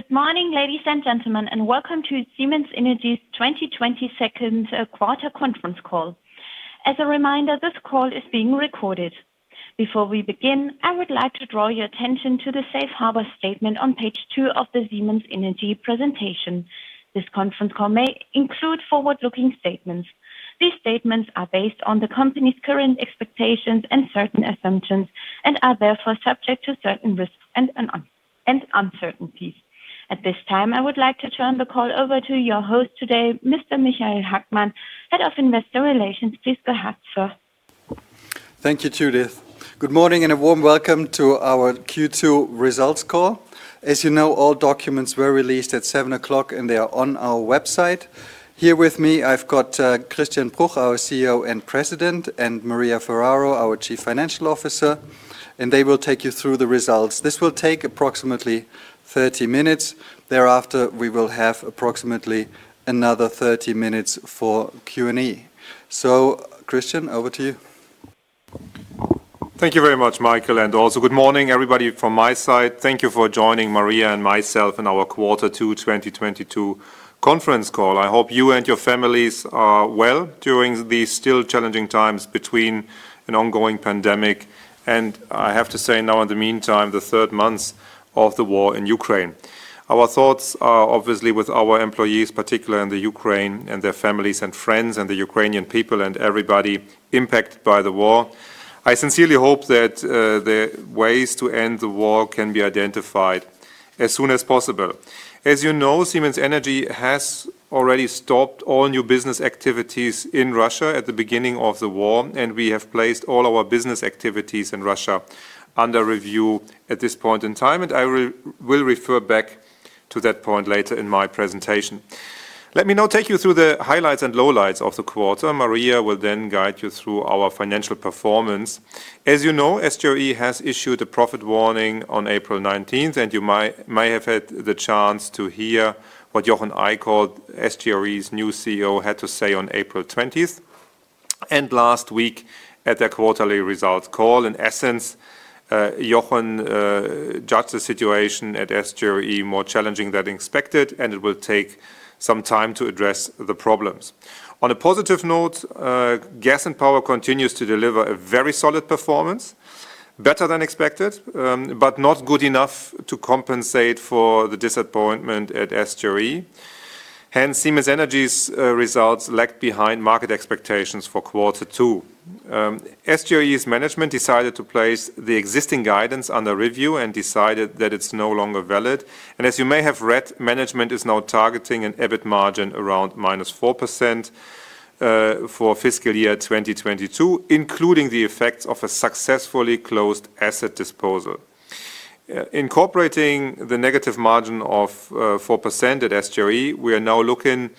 Good morning, ladies and gentlemen, and welcome to Siemens Energy's 2022 second quarter conference call. As a reminder, this call is being recorded. Before we begin, I would like to draw your attention to the safe harbor statement on page two of the Siemens Energy presentation. This conference call may include forward-looking statements. These statements are based on the company's current expectations and certain assumptions and are therefore subject to certain risks and uncertainties. At this time, I would like to turn the call over to your host today, Mr. Michael Hagmann, Head of Investor Relations. Please go ahead, sir. Thank you, Judith. Good morning and a warm welcome to our Q2 results call. As you know, all documents were released at 7:00 A.M., and they are on our website. Here with me, I've got Christian Bruch, our CEO and President, and Maria Ferraro, our Chief Financial Officer, and they will take you through the results. This will take approximately 30 minutes. Thereafter, we will have approximately another 30 minutes for Q&A. Christian, over to you. Thank you very much, Michael, and also good morning, everybody from my side. Thank you for joining Maria and myself in our quarter 2 2022 conference call. I hope you and your families are well during these still challenging times between an ongoing pandemic, and I have to say now in the meantime, the third month of the war in Ukraine. Our thoughts are obviously with our employees, particularly in the Ukraine and their families and friends and the Ukrainian people and everybody impacted by the war. I sincerely hope that, the ways to end the war can be identified as soon as possible. As you know, Siemens Energy has already stopped all new business activities in Russia at the beginning of the war, and we have placed all our business activities in Russia under review at this point in time, and I will refer back to that point later in my presentation. Let me now take you through the highlights and lowlights of the quarter. Maria will then guide you through our financial performance. As you know, SGRE has issued a profit warning on April 19, and you may have had the chance to hear what Jochen Eickholt, SGRE's new CEO, had to say on April 20 and last week at their quarterly results call. In essence, Jochen judged the situation at SGRE more challenging than expected, and it will take some time to address the problems. On a positive note, Gas and Power continues to deliver a very solid performance, better than expected, but not good enough to compensate for the disappointment at SGRE. Hence, Siemens Energy's results lagged behind market expectations for quarter two. SGRE's management decided to place the existing guidance under review and decided that it's no longer valid. As you may have read, management is now targeting an EBIT margin around -4%, for fiscal year 2022, including the effects of a successfully closed asset disposal. Incorporating the negative margin of 4% at SGRE, we are now looking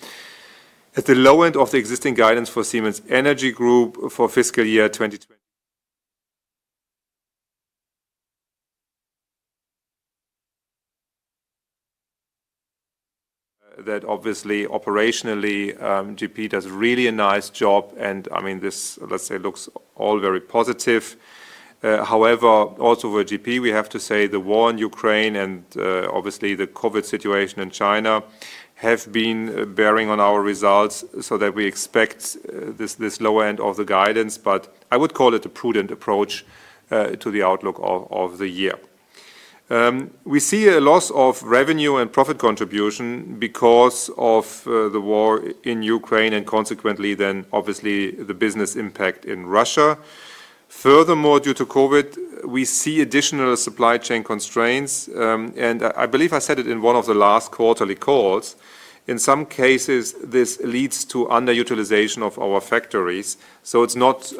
at the low end of the existing guidance for Siemens Energy Group for fiscal year 2022. That obviously operationally, GP does really a nice job and, I mean, this, let's say, looks all very positive. However, also with GP, we have to say the war in Ukraine and obviously the COVID situation in China have been bearing on our results so that we expect this low end of the guidance, but I would call it a prudent approach to the outlook of the year. We see a loss of revenue and profit contribution because of the war in Ukraine and consequently then obviously the business impact in Russia. Furthermore, due to COVID, we see additional supply chain constraints, and I believe I said it in one of the last quarterly calls, in some cases, this leads to underutilization of our factories. It's not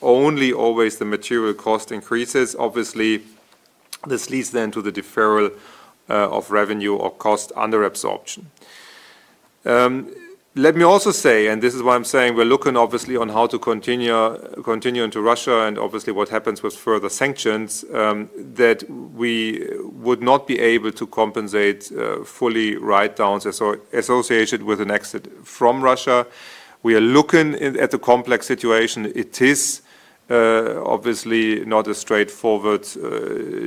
only always the material cost increases. Obviously, this leads then to the deferral of revenue or cost under absorption. Let me also say this is why I'm saying we're looking obviously at how to continue into Russia and obviously what happens with further sanctions that we would not be able to compensate full write-downs associated with an exit from Russia. We are looking at the complex situation. It is obviously not a straightforward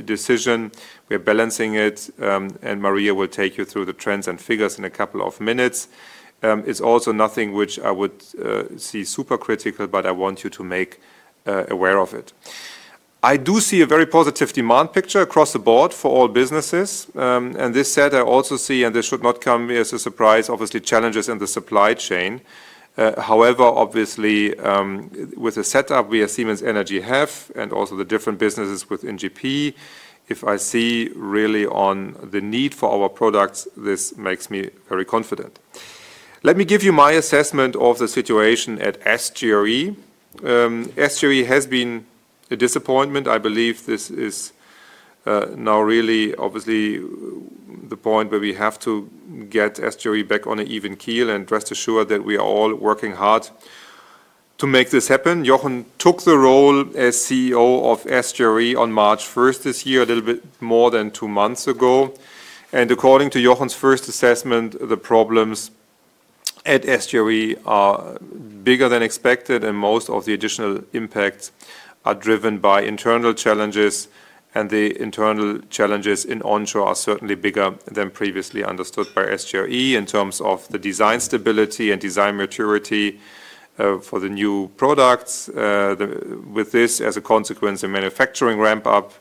decision. We're balancing it, and Maria will take you through the trends and figures in a couple of minutes. It's also nothing which I would see super critical, but I want to make you aware of it. I do see a very positive demand picture across the board for all businesses, and that said, I also see, and this should not come as a surprise, obviously challenges in the supply chain. However, obviously, with the setup we at Siemens Energy have and also the different businesses within GP, if I see really on the need for our products, this makes me very confident. Let me give you my assessment of the situation at SGRE. SGRE has been a disappointment. I believe this is now really obviously the point where we have to get SGRE back on an even keel and rest assured that we are all working hard to make this happen. Jochen took the role as CEO of SGRE on March first this year, a little bit more than two months ago. According to Jochen's first assessment, the problems at SGRE are bigger than expected, and most of the additional impacts are driven by internal challenges, and the internal challenges in onshore are certainly bigger than previously understood by SGRE in terms of the design stability and design maturity for the new products. With this, as a consequence, a manufacturing ramp up,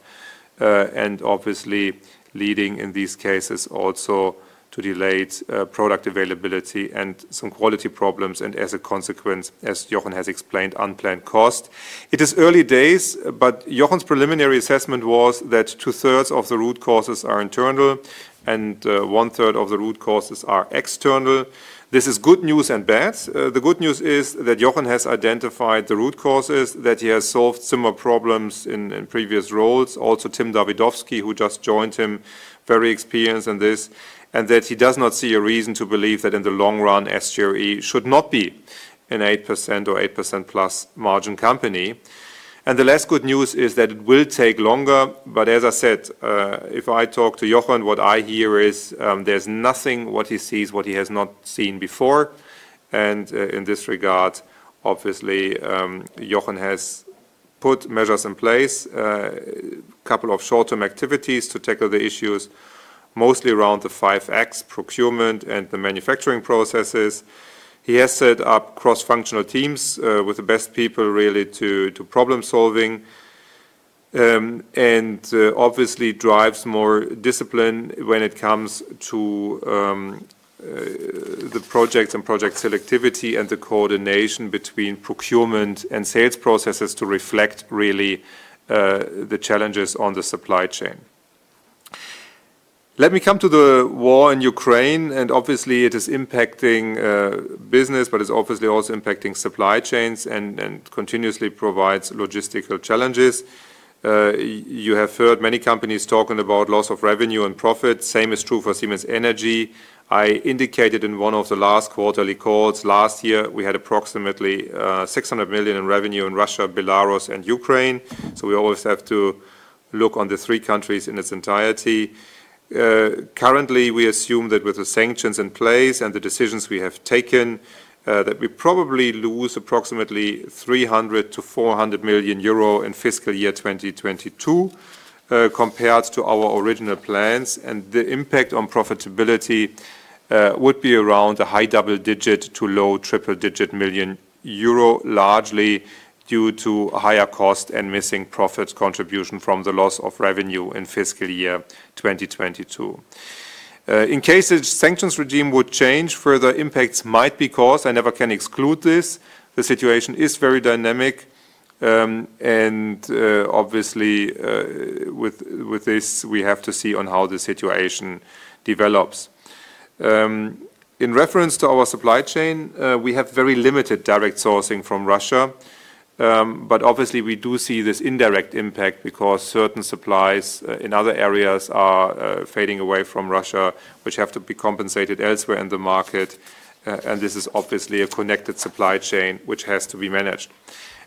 and obviously leading in these cases also to delayed product availability and some quality problems, and as a consequence, as Jochen has explained, unplanned cost. It is early days, but Jochen's preliminary assessment was that two-thirds of the root causes are internal and one-third of the root causes are external. This is good news and bad. The good news is that Jochen has identified the root causes, that he has solved similar problems in previous roles. Also, Tim Oliver Holt, who just joined him, very experienced in this, and that he does not see a reason to believe that in the long run, SGRE should not be an 8% or 8%+ margin company. The less good news is that it will take longer, but as I said, if I talk to Jochen Eickholt, what I hear is, there's nothing that he sees that he has not seen before. In this regard, obviously, Jochen Eickholt has put measures in place, a couple of short-term activities to tackle the issues, mostly around the 5.X procurement and the manufacturing processes. He has set up cross-functional teams, with the best people really to problem-solving. Obviously drives more discipline when it comes to the projects and project selectivity and the coordination between procurement and sales processes to reflect really the challenges on the supply chain. Let me come to the war in Ukraine, and obviously it is impacting business, but it's obviously also impacting supply chains and continuously provides logistical challenges. You have heard many companies talking about loss of revenue and profit. Same is true for Siemens Energy. I indicated in one of the last quarterly calls, last year, we had approximately 600 million in revenue in Russia, Belarus and Ukraine. We always have to look on the three countries in its entirety. Currently, we assume that with the sanctions in place and the decisions we have taken, that we probably lose approximately 300-400 million euro in fiscal year 2022, compared to our original plans. The impact on profitability would be around a high double-digit to low triple-digit million EUR, largely due to higher cost and missing profit contribution from the loss of revenue in fiscal year 2022. In case the sanctions regime would change, further impacts might be caused. I never can exclude this. The situation is very dynamic. Obviously, with this, we have to see how the situation develops. In reference to our supply chain, we have very limited direct sourcing from Russia, but obviously we do see this indirect impact because certain supplies in other areas are fading away from Russia, which have to be compensated elsewhere in the market. And this is obviously a connected supply chain which has to be managed.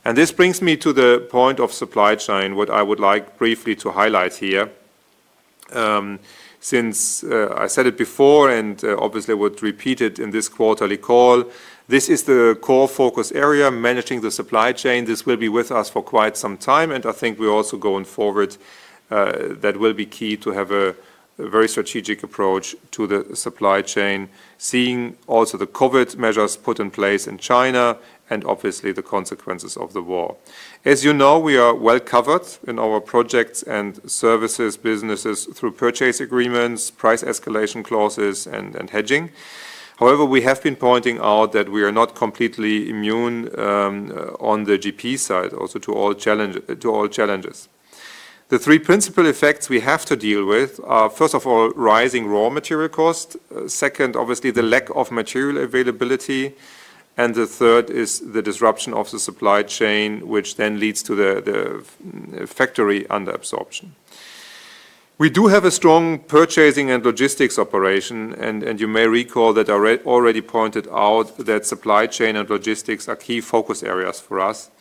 This brings me to the point of supply chain, what I would like briefly to highlight here. Since I said it before and obviously would repeat it in this quarterly call, this is the core focus area, managing the supply chain. This will be with us for quite some time, and I think we also going forward, that will be key to have a very strategic approach to the supply chain, seeing also the COVID measures put in place in China and obviously the consequences of the war. As you know, we are well covered in our projects and services businesses through purchase agreements, price escalation clauses and hedging. However, we have been pointing out that we are not completely immune, on the GP side, also to all challenges. The three principal effects we have to deal with are, first of all, rising raw material cost. Second, obviously the lack of material availability. The third is the disruption of the supply chain, which then leads to the factory under absorption. We do have a strong purchasing and logistics operation, and you may recall that I already pointed out that supply chain and logistics are key focus areas for us.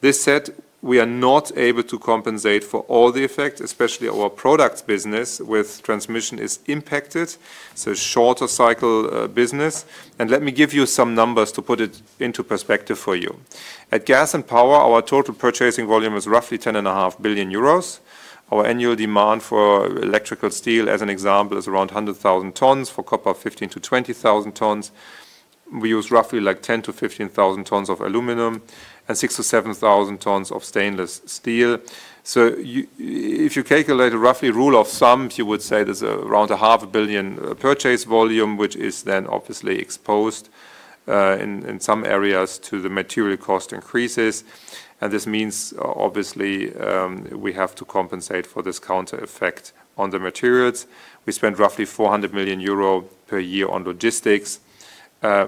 This said, we are not able to compensate for all the effects, especially our products business with transmission is impacted, so shorter cycle business. Let me give you some numbers to put it into perspective for you. At gas and power, our total purchasing volume is roughly 10.5 billion euros. Our annual demand for electrical steel, as an example, is around 100,000 tons. For copper, 15,000-20,000 tons. We use roughly like 10,000-15,000 tons of aluminum and 6,000-7,000 tons of stainless steel. If you calculate a rough rule of thumb, you would say there's around 0.5 Billion purchase volume, which is then obviously exposed in some areas to the material cost increases. This means obviously we have to compensate for this counter effect on the materials. We spend roughly 400 million euro per year on logistics.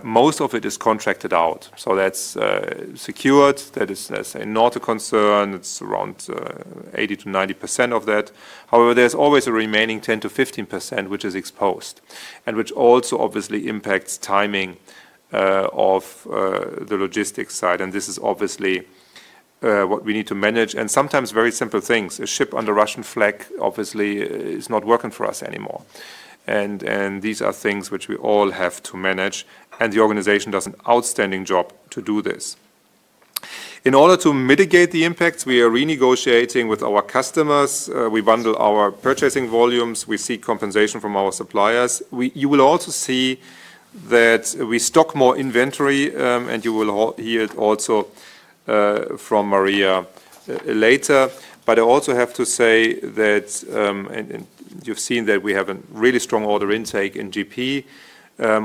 Most of it is contracted out, so that's secured. That is, that's not a concern. It's around 80%-90% of that. However, there's always a remaining 10%-15%, which is exposed, and which also obviously impacts timing of the logistics side. This is obviously what we need to manage and sometimes very simple things. A ship under Russian flag obviously is not working for us anymore. These are things which we all have to manage, and the organization does an outstanding job to do this. In order to mitigate the impacts, we are renegotiating with our customers. We bundle our purchasing volumes. We seek compensation from our suppliers. We will also see that we stock more inventory, and you will hear it also from Maria later. I also have to say that, and you've seen that we have a really strong order intake in GP.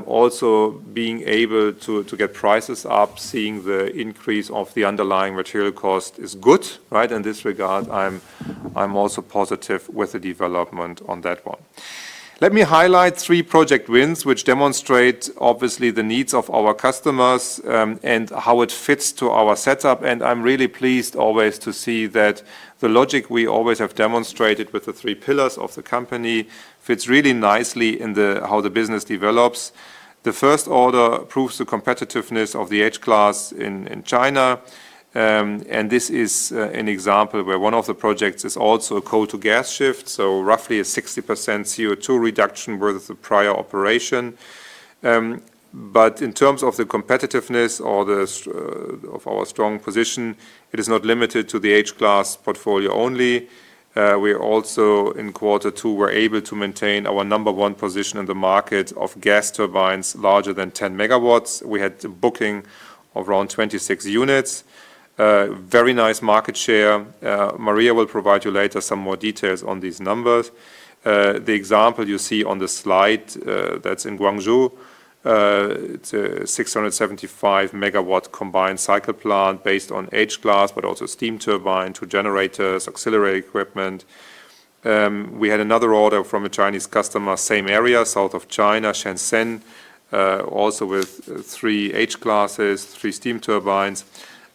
Also being able to get prices up, seeing the increase of the underlying material cost is good, right? In this regard, I'm also positive with the development on that one. Let me highlight three project wins which demonstrate obviously the needs of our customers, and how it fits to our setup. I'm really pleased always to see that the logic we always have demonstrated with the three pillars of the company fits really nicely in how the business develops. The first order proves the competitiveness of the H-class in China. This is an example where one of the projects is also a coal to gas shift, so roughly a 60% CO₂ reduction versus the prior operation. In terms of the competitiveness or the strength of our strong position, it is not limited to the H-class portfolio only. We also in quarter two were able to maintain our number one position in the market of gas turbines larger than 10 megawatts. We had bookings of around 26 units. Very nice market share. Maria will provide you later some more details on these numbers. The example you see on the slide, that's in Guangzhou, it's a 675-MW combined cycle plant based on H-class, but also steam turbine, two generators, auxiliary equipment. We had another order from a Chinese customer, same area, south of China, Shenzhen, also with three H-class, three steam turbines.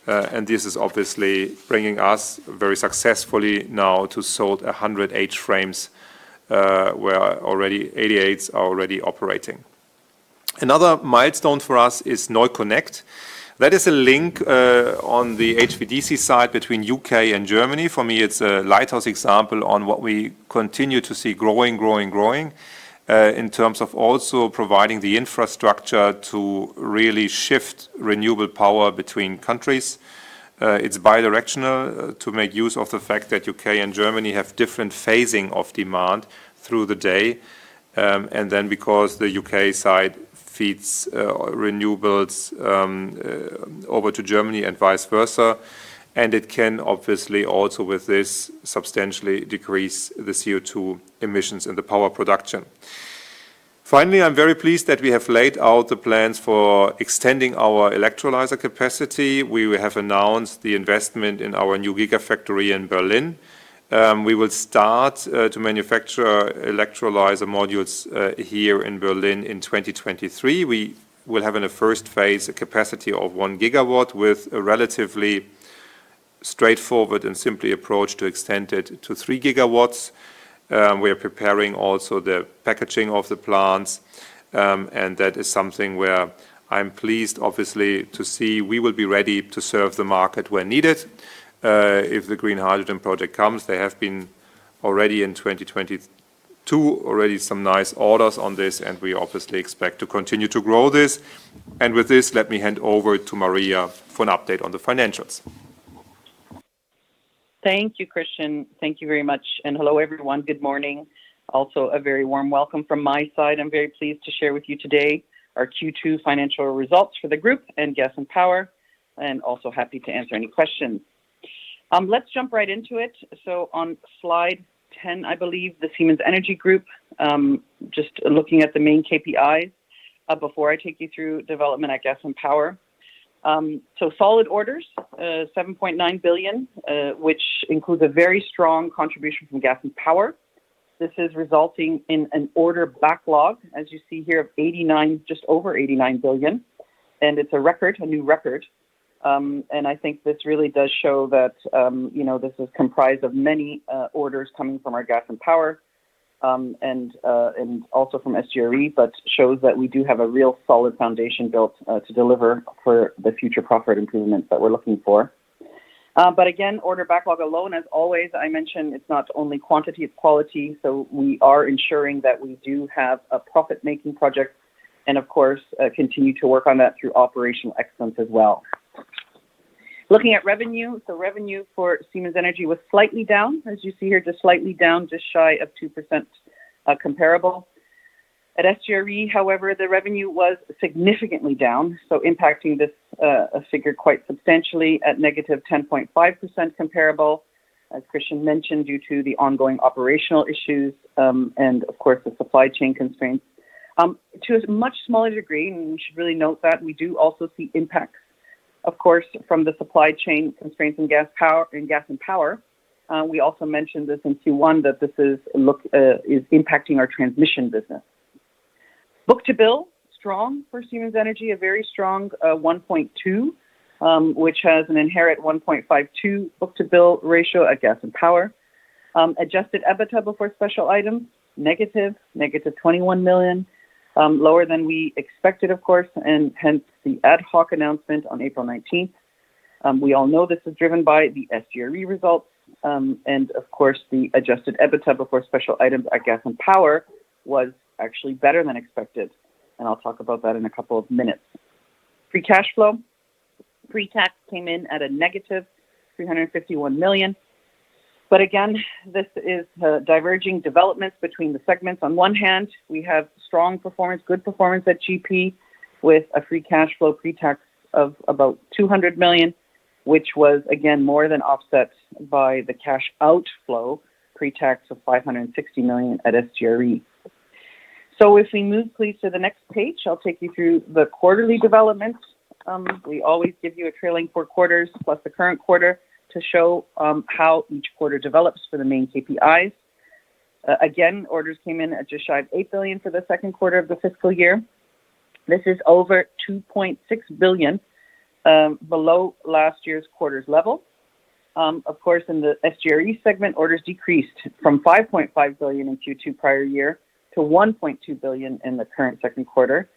This is obviously bringing us very successfully now to sold 100 H frames, where already 88 are already operating. Another milestone for us is NeuConnect. That is a link, on the HVDC side between UK and Germany. For me, it's a lighthouse example on what we continue to see growing in terms of also providing the infrastructure to really shift renewable power between countries. It's bidirectional to make use of the fact that UK and Germany have different phasing of demand through the day. Because the UK side feeds renewables over to Germany and vice versa, and it can obviously also with this substantially decrease the CO₂ emissions and the power production. Finally, I'm very pleased that we have laid out the plans for extending our electrolyzer capacity. We have announced the investment in our new Gigafactory in Berlin. We will start to manufacture electrolyzer modules here in Berlin in 2023. We will have in the first phase a capacity of one gigawatt with a relatively straightforward and simply approach to extend it to three gigawatts. We are preparing also the packaging of the plants, and that is something where I'm pleased obviously to see we will be ready to serve the market where needed. If the green hydrogen project comes, there have been already in 2022 some nice orders on this, and we obviously expect to continue to grow this. With this, let me hand over to Maria for an update on the financials. Thank you, Christian. Thank you very much. Hello, everyone. Good morning. Also, a very warm welcome from my side. I'm very pleased to share with you today our Q2 financial results for the group and Gas and Power, and also happy to answer any questions. Let's jump right into it. On slide 10, I believe, the Siemens Energy Group, just looking at the main KPIs, before I take you through development at Gas and Power. Solid orders, 7.9 billion, which includes a very strong contribution from Gas and Power. This is resulting in an order backlog, as you see here, of 89 billion, just over 89 billion. It's a record, a new record. I think this really does show that, you know, this is comprised of many orders coming from our Gas and Power, and also from SGRE, but shows that we do have a real solid foundation built to deliver for the future profit improvements that we're looking for. But again, order backlog alone, as always, I mentioned it's not only quantity, it's quality. We are ensuring that we do have a profit-making project and of course, continue to work on that through operational excellence as well. Looking at revenue. Revenue for Siemens Energy was slightly down, as you see here, just slightly down, just shy of 2%, comparable. At SGRE, however, the revenue was significantly down, so impacting this figure quite substantially at -10.5% comparable, as Christian mentioned, due to the ongoing operational issues, and of course, the supply chain constraints. To a much smaller degree, and we should really note that we do also see impacts, of course, from the supply chain constraints in Gas & Power. We also mentioned this in Q1 that this is impacting our transmission business. Book-to-bill strong for Siemens Energy, a very strong 1.2, which has an inherent 1.52 book-to-bill ratio at Gas & Power. Adjusted EBITDA before special items, -21 million, lower than we expected, of course, and hence the ad hoc announcement on April 19. We all know this is driven by the SGRE results, and of course, the adjusted EBITDA before special items at Gas and Power was actually better than expected, and I'll talk about that in a couple of minutes. Free cash flow pre-tax came in at -351 million. Again, this is the diverging developments between the segments. On one hand, we have strong performance, good performance at GP with a free cash flow pre-tax of about 200 million, which was again more than offset by the cash outflow pre-tax of 560 million at SGRE. If we move, please, to the next page, I'll take you through the quarterly developments. We always give you a trailing four quarters plus the current quarter to show how each quarter develops for the main KPIs. Again, orders came in at just shy of 8 billion for the second quarter of the fiscal year. This is over 2.6 billion below last year's quarter's level. Of course, in the SGRE segment, orders decreased from 5.5 billion in Q2 prior year to 1.2 billion in the current second quarter.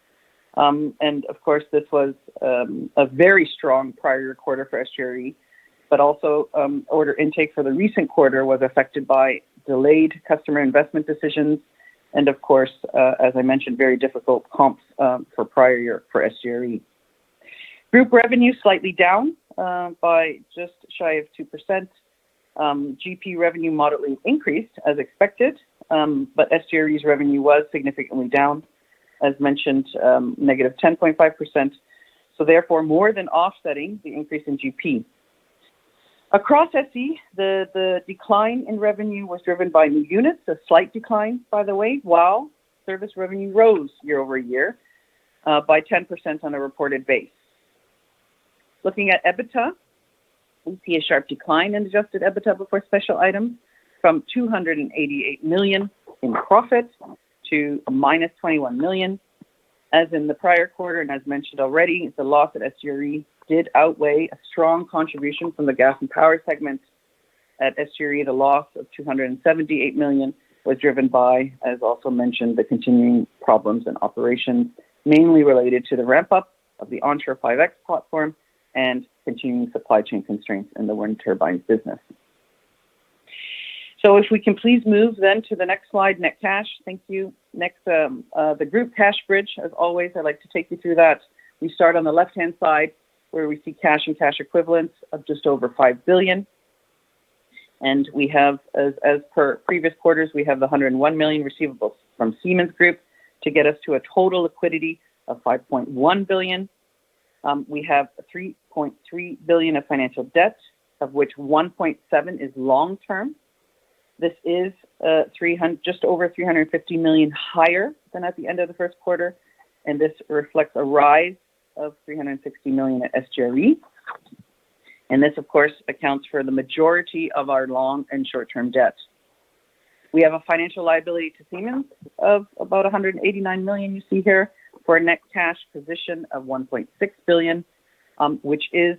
Of course, this was a very strong prior quarter for SGRE, but also order intake for the recent quarter was affected by delayed customer investment decisions. Of course, as I mentioned, very difficult comps for prior year for SGRE. Group revenue slightly down by just shy of 2%. GP revenue moderately increased as expected, but SGRE's revenue was significantly down, as mentioned, negative 10.5%, so therefore more than offsetting the increase in GP. Across SE, the decline in revenue was driven by new units, a slight decline, by the way, while service revenue rose year-over-year by 10% on a reported base. Looking at EBITDA, we see a sharp decline in adjusted EBITDA before special items from 288 million in profit to -21 million. In the prior quarter, as mentioned already, the loss at SGRE did outweigh a strong contribution from the Gas and Power segment. At SGRE, the loss of 278 million was driven by, as also mentioned, the continuing problems in operations, mainly related to the ramp-up of the onshore 5.X platform and continuing supply chain constraints in the wind turbine business. If we can please move then to the next slide, net cash. Thank you. Next, the group cash bridge, as always, I'd like to take you through that. We start on the left-hand side where we see cash and cash equivalents of just over 5 billion. We have as per previous quarters, we have the 101 million receivables from Siemens Group to get us to a total liquidity of 5.1 billion. We have 3.3 billion of financial debt, of which 1.7 billion is long-term. This is just over 350 million higher than at the end of the first quarter, and this reflects a rise of 360 million at SGRE. This, of course, accounts for the majority of our long and short-term debt. We have a financial liability to Siemens of about 189 million you see here for a net cash position of 1.6 billion, which is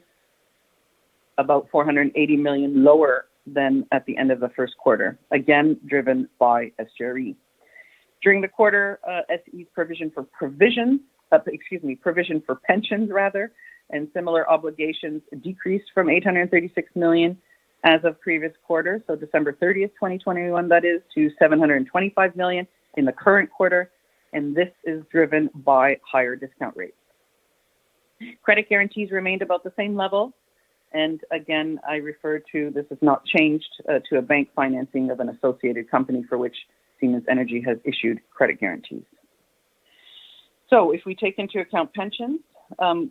about 480 million lower than at the end of the first quarter, again, driven by SGRE. During the quarter, SE's provision for pensions rather, and similar obligations decreased from 836 million as of previous quarter. December thirtieth, 2021, that is, to 725 million in the current quarter, and this is driven by higher discount rates. Credit guarantees remained about the same level. Again, I refer to this has not changed, to a bank financing of an associated company for which Siemens Energy has issued credit guarantees. If we take into account pensions,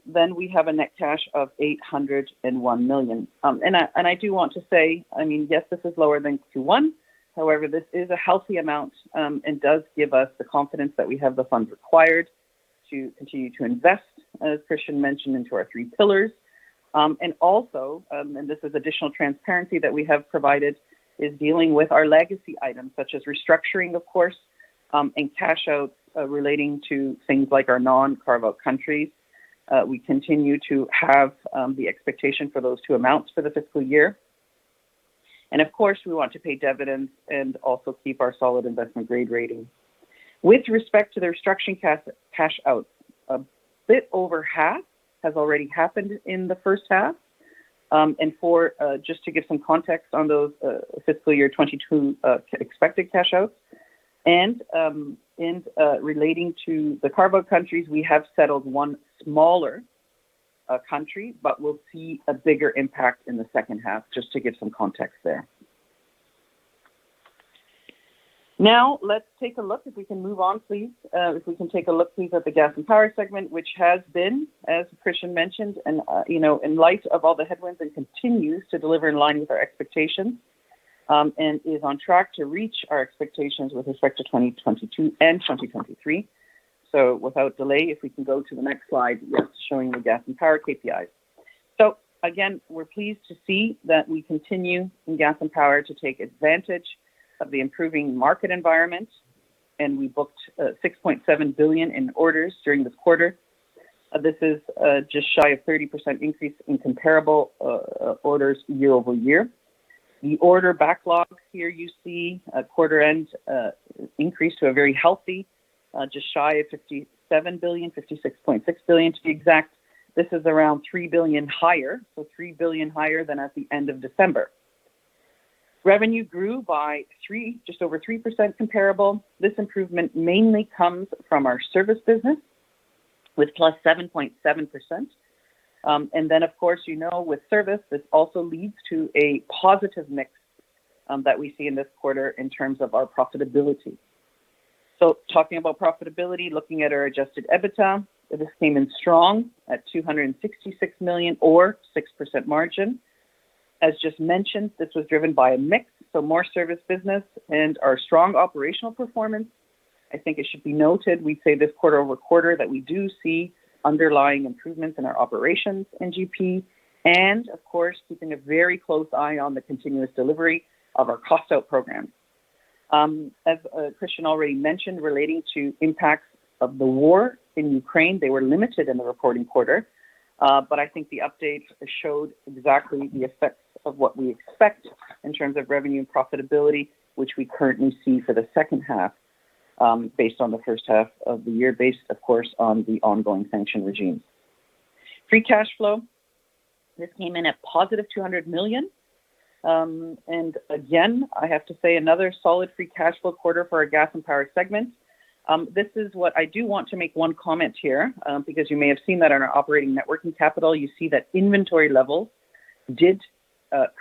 then we have a net cash of 801 million. I do want to say, I mean, yes, this is lower than Q1. However, this is a healthy amount, and does give us the confidence that we have the funds required to continue to invest, as Christian mentioned, into our three pillars. Also, this is additional transparency that we have provided, is dealing with our legacy items such as restructuring, of course, and cash out, relating to things like our non-carve-out countries. We continue to have the expectation for those two amounts for the fiscal year. Of course, we want to pay dividends and also keep our solid investment grade rating. With respect to the restructuring cash outs, a bit over half has already happened in the first half. For just to give some context on those, fiscal year 2022 expected cash outs. Relating to the carve-out countries, we have settled one smaller country, but we'll see a bigger impact in the second half just to give some context there. Now, let's take a look, please, at the Gas and Power segment, which has been, as Christian mentioned, you know, in light of all the headwinds and continues to deliver in line with our expectations, and is on track to reach our expectations with respect to 2022 and 2023. Without delay, if we can go to the next slide, yes, showing the Gas and Power KPIs. Again, we're pleased to see that we continue in Gas and Power to take advantage of the improving market environment. We booked 6.7 billion in orders during the quarter. This is just shy of 30% increase in comparable orders year-over-year. The order backlog here you see a quarter end increase to a very healthy just shy of 57 billion, 56.6 billion to be exact. This is around 3 billion higher, so 3 billion higher than at the end of December. Revenue grew by three, just over 3% comparable. This improvement mainly comes from our service business with +7.7%. Of course, you know with service, this also leads to a positive mix that we see in this quarter in terms of our profitability. Talking about profitability, looking at our adjusted EBITDA, this came in strong at 266 million or 6% margin. As just mentioned, this was driven by a mix, so more service business and our strong operational performance. I think it should be noted, we say this quarter-over-quarter that we do see underlying improvements in our operations in GP, and of course, keeping a very close eye on the continuous delivery of our cost out program. As Christian already mentioned, relating to impacts of the war in Ukraine, they were limited in the reporting quarter. I think the updates showed exactly the effects of what we expect in terms of revenue and profitability, which we currently see for the second half, based on the first half of the year, based of course on the ongoing sanctions regime. Free cash flow, this came in at positive 200 million. I have to say another solid free cash flow quarter for our gas and power segment. This is what I do want to make one comment here, because you may have seen that on our operating net working capital, you see that inventory levels did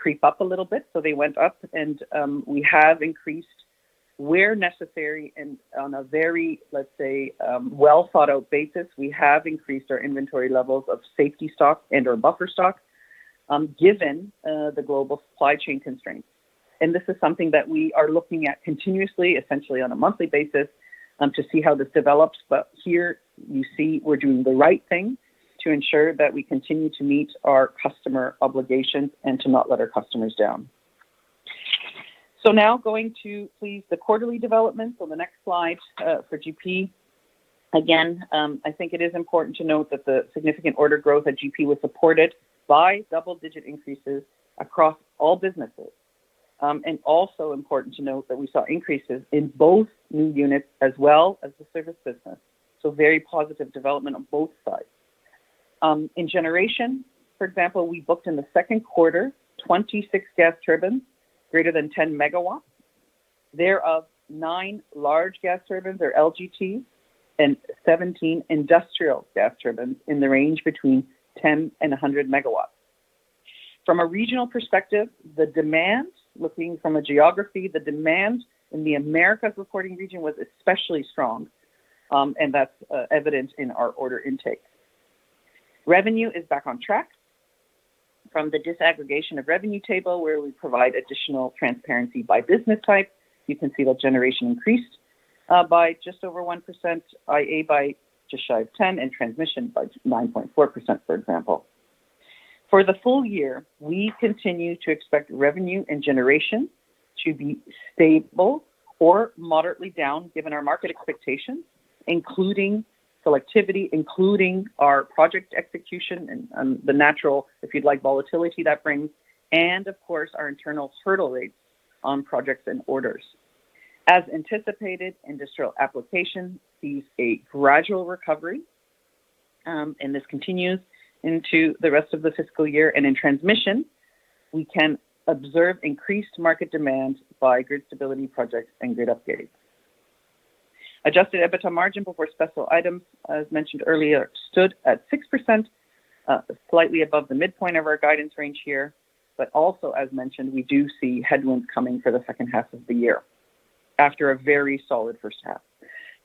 creep up a little bit. They went up and we have increased where necessary and on a very, let's say, well-thought-out basis. We have increased our inventory levels of safety stock and/or buffer stock, given the global supply chain constraints. This is something that we are looking at continuously, essentially on a monthly basis, to see how this develops. Here you see we're doing the right thing to ensure that we continue to meet our customer obligations and to not let our customers down. Now going to the quarterly developments on the next slide, for GP. Again, I think it is important to note that the significant order growth at GP was supported by double-digit increases across all businesses. Also important to note that we saw increases in both new units as well as the service business, so very positive development on both sides. In generation, for example, we booked in the second quarter 26 gas turbines greater than 10 MW. Thereof, nine large gas turbines or LGTs and 17 industrial gas turbines in the range between 10 and 100 MW. From a regional perspective, the demand in the Americas reporting region was especially strong, and that's evident in our order intake. Revenue is back on track from the disaggregation of revenue table, where we provide additional transparency by business type. You can see that generation increased by just over 1%, IA by just shy of 10%, and transmission by 9.4%, for example. For the full year, we continue to expect revenue and generation to be stable or moderately down, given our market expectations, including selectivity, including our project execution and the natural, if you'd like, volatility that brings, and of course, our internal hurdle rates on projects and orders. As anticipated, industrial application sees a gradual recovery, and this continues into the rest of the fiscal year. In transmission, we can observe increased market demand by grid stability projects and grid upgrading. Adjusted EBITDA margin before special items, as mentioned earlier, stood at 6%, slightly above the midpoint of our guidance range here. Also as mentioned, we do see headwinds coming for the second half of the year after a very solid first half.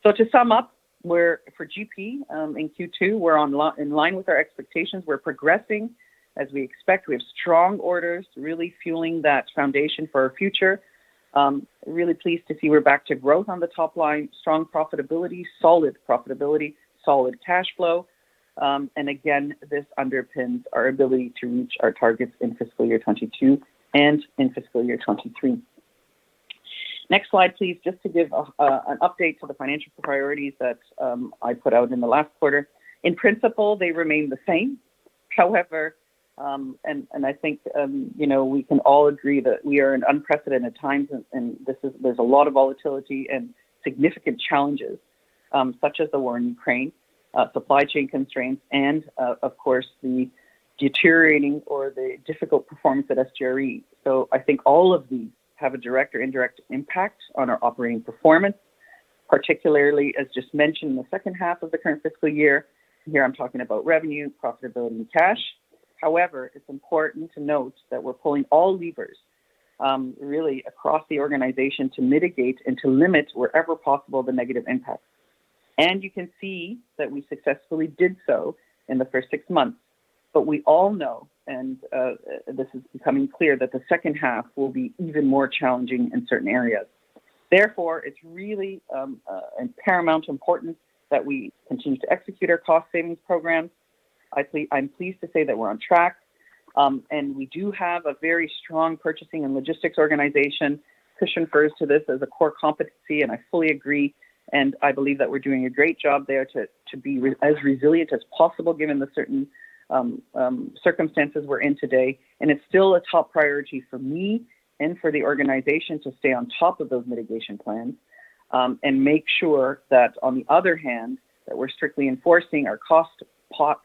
To sum up, for GP in Q2, we're in line with our expectations. We're progressing as we expect. We have strong orders really fueling that foundation for our future. Really pleased to see we're back to growth on the top line, strong profitability, solid profitability, solid cash flow. And again, this underpins our ability to reach our targets in fiscal year 2022 and in fiscal year 2023. Next slide, please. Just to give an update to the financial priorities that I put out in the last quarter. In principle, they remain the same. However, and I think you know, we can all agree that we are in unprecedented times and there's a lot of volatility and significant challenges such as the war in Ukraine, supply chain constraints and of course, the deteriorating or the difficult performance at SGRE. I think all of these have a direct or indirect impact on our operating performance, particularly as just mentioned in the second half of the current fiscal year. Here I'm talking about revenue, profitability, and cash. However, it's important to note that we're pulling all levers, really across the organization to mitigate and to limit wherever possible the negative impacts. You can see that we successfully did so in the first six months. We all know, and, this is becoming clear, that the second half will be even more challenging in certain areas. Therefore, it's really, paramount importance that we continue to execute our cost savings programs. I'm pleased to say that we're on track, and we do have a very strong purchasing and logistics organization. Christian refers to this as a core competency, and I fully agree, and I believe that we're doing a great job there to be as resilient as possible given the current circumstances we're in today. It's still a top priority for me and for the organization to stay on top of those mitigation plans, and make sure that on the other hand, that we're strictly enforcing our cost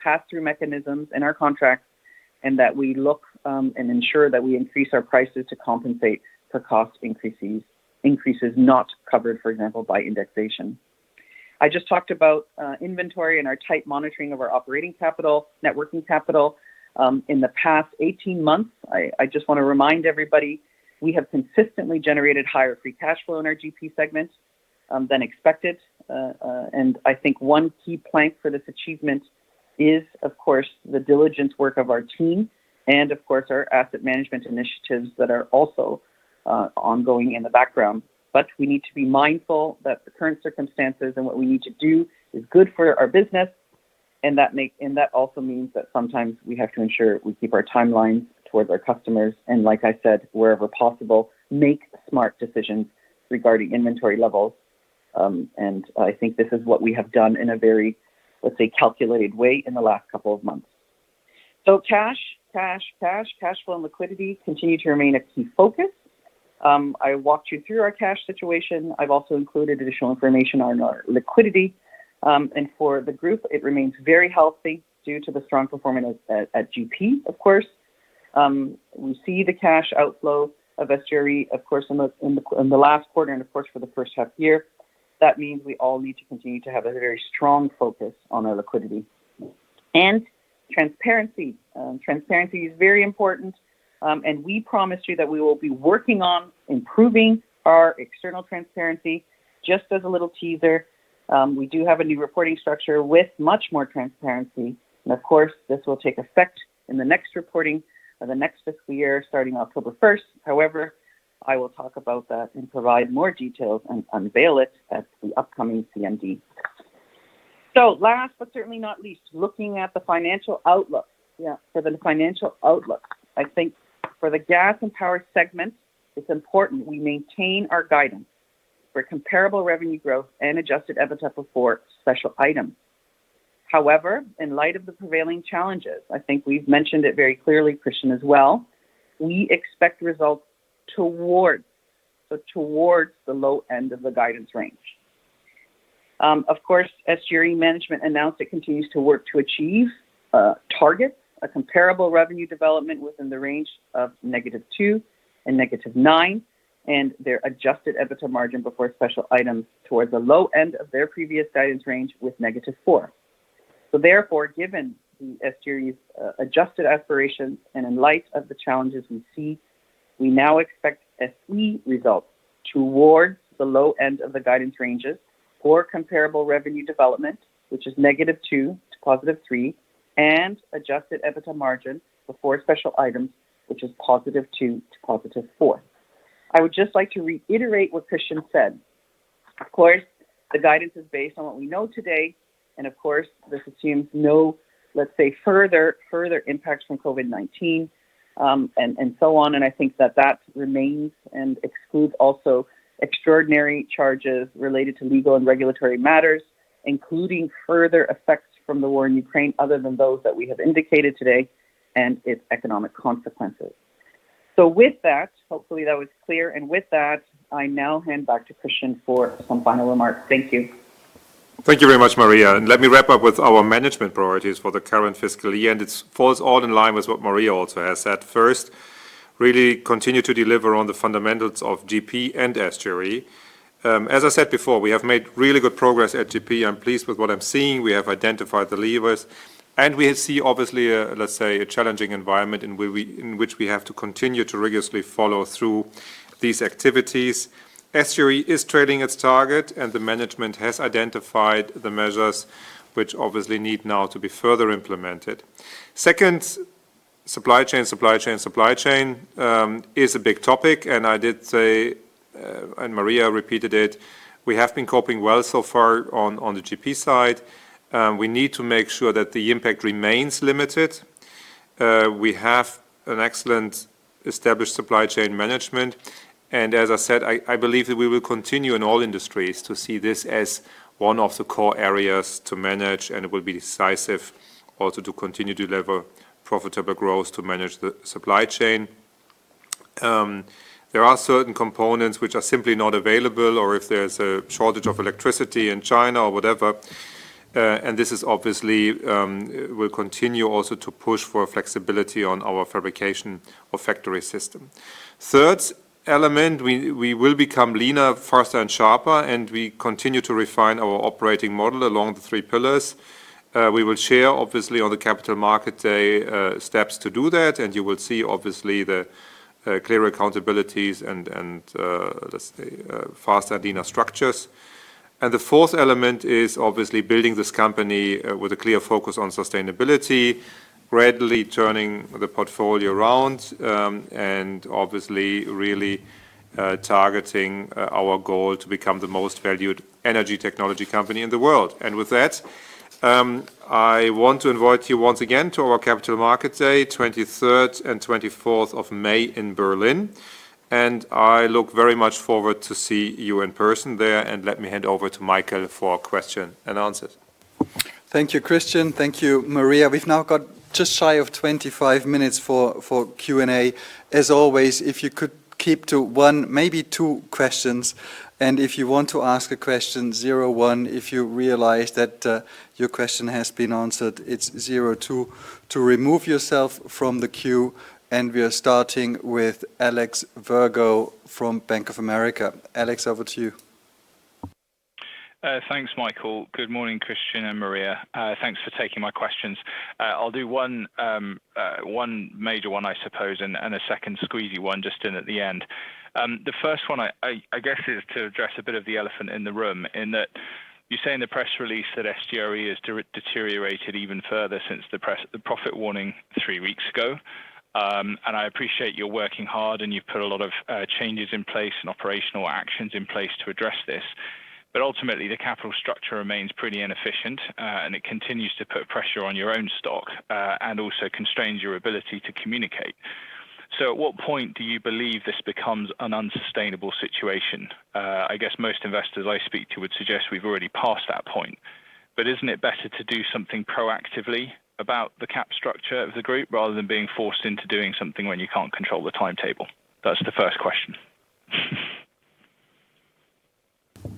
pass-through mechanisms in our contracts and that we look and ensure that we increase our prices to compensate for cost increases not covered, for example, by indexation. I just talked about inventory and our tight monitoring of our operating capital, net working capital. In the past 18 months, I just wanna remind everybody, we have consistently generated higher free cash flow in our GP segment than expected. I think one key plank for this achievement is, of course, the diligent work of our team and of course our asset management initiatives that are also ongoing in the background. We need to be mindful that the current circumstances and what we need to do is good for our business, and that also means that sometimes we have to ensure we keep our timelines towards our customers, and like I said, wherever possible, make smart decisions regarding inventory levels. I think this is what we have done in a very, let's say, calculated way in the last couple of months. Cash flow and liquidity continue to remain a key focus. I walked you through our cash situation. I've also included additional information on our liquidity. For the group, it remains very healthy due to the strong performance at GP, of course. We see the cash outflow of SGRE, of course, in the last quarter and of course for the first half year. That means we all need to continue to have a very strong focus on our liquidity. Transparency. Transparency is very important, and we promise you that we will be working on improving our external transparency. Just as a little teaser, we do have a new reporting structure with much more transparency, and of course, this will take effect in the next reporting of the next fiscal year starting October first. However, I will talk about that and provide more details and unveil it at the upcoming CMD. Last but certainly not least, looking at the financial outlook. Yeah, for the financial outlook. I think for the gas and power segment, it's important we maintain our guidance for comparable revenue growth and adjusted EBITDA before special items. However, in light of the prevailing challenges, I think we've mentioned it very clearly, Christian as well, we expect results towards the low end of the guidance range. Of course, SGRE management announced it continues to work to achieve targets, a comparable revenue development within the range of -2% to -9%, and their adjusted EBITDA margin before special items toward the low end of their previous guidance range with -4%. Therefore, given the SGRE's adjusted aspirations and in light of the challenges we see, we now expect SE results towards the low end of the guidance ranges for comparable revenue development, which is -2% to +3%, and adjusted EBITDA margin before special items, which is +2% to +4%. I would just like to reiterate what Christian said. Of course, the guidance is based on what we know today, and of course, this assumes no, let's say, further impacts from COVID-19, and so on, and I think that remains and excludes also extraordinary charges related to legal and regulatory matters, including further effects from the war in Ukraine other than those that we have indicated today and its economic consequences. With that, hopefully that was clear, and with that, I now hand back to Christian for some final remarks. Thank you. Thank you very much, Maria. Let me wrap up with our management priorities for the current fiscal year, and it falls all in line with what Maria also has said. First, really continue to deliver on the fundamentals of GP and SGRE. As I said before, we have made really good progress at GP. I'm pleased with what I'm seeing. We have identified the levers, and we see obviously a, let's say, a challenging environment in which we have to continue to rigorously follow through these activities. SGRE is tracking its target, and the management has identified the measures which obviously need now to be further implemented. Second, supply chain is a big topic, and I did say, and Maria repeated it, we have been coping well so far on the GP side. We need to make sure that the impact remains limited. We have an excellent established supply chain management. As I said, I believe that we will continue in all industries to see this as one of the core areas to manage, and it will be decisive also to continue to deliver profitable growth to manage the supply chain. There are certain components which are simply not available, or if there's a shortage of electricity in China or whatever, and this is obviously, we'll continue also to push for flexibility on our fabrication or factory system. Third element, we will become leaner, faster and sharper, and we continue to refine our operating model along the three pillars. We will share obviously on the Capital Markets Day steps to do that, and you will see obviously the clear accountabilities and let's say faster leaner structures. The fourth element is obviously building this company with a clear focus on sustainability. Readily turning the portfolio around and obviously really targeting our goal to become the most valued energy technology company in the world. With that, I want to invite you once again to our Capital Markets Day, twenty-third and twenty-fourth of May in Berlin. I look very much forward to see you in person there, and let me hand over to Michael for question and answers. Thank you, Christian. Thank you, Maria. We've now got just shy of 25 minutes for Q&A. As always, if you could keep to one, maybe two questions, and if you want to ask a question, zero one. If you realize that your question has been answered, it's zero two to remove yourself from the queue, and we are starting with Alex Virgo from Bank of America. Alex, over to you. Thanks, Michael. Good morning, Christian and Maria. Thanks for taking my questions. I'll do one major one, I suppose, and a second squeezy one just in at the end. The first one I guess is to address a bit of the elephant in the room in that you say in the press release that SGRE has deteriorated even further since the profit warning three weeks ago. I appreciate you're working hard, and you've put a lot of changes in place and operational actions in place to address this. But ultimately, the capital structure remains pretty inefficient, and it continues to put pressure on your own stock, and also constrains your ability to communicate. At what point do you believe this becomes an unsustainable situation? I guess most investors I speak to would suggest we've already passed that point. Isn't it better to do something proactively about the cap structure of the group, rather than being forced into doing something when you can't control the timetable? That's the first question.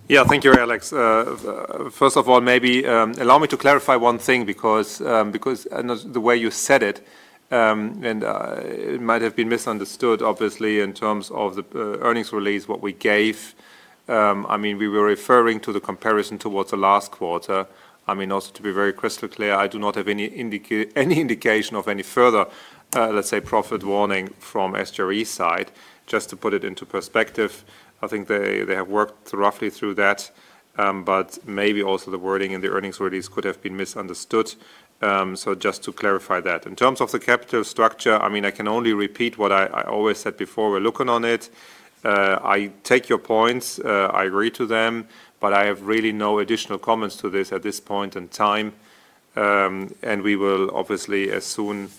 Yeah. Thank you, Alex. First of all, maybe allow me to clarify one thing because, and as the way you said it might have been misunderstood obviously in terms of the earnings release, what we gave. I mean, we were referring to the comparison towards the last quarter. I mean, also to be very crystal clear, I do not have any indication of any further, let's say, profit warning from SGRE side. Just to put it into perspective, I think they have worked roughly through that. Maybe also the wording in the earnings release could have been misunderstood, so just to clarify that. In terms of the capital structure, I mean, I can only repeat what I always said before. We're looking on it. I take your points, I agree to them, but I have really no additional comments to this at this point in time. We will obviously, as soon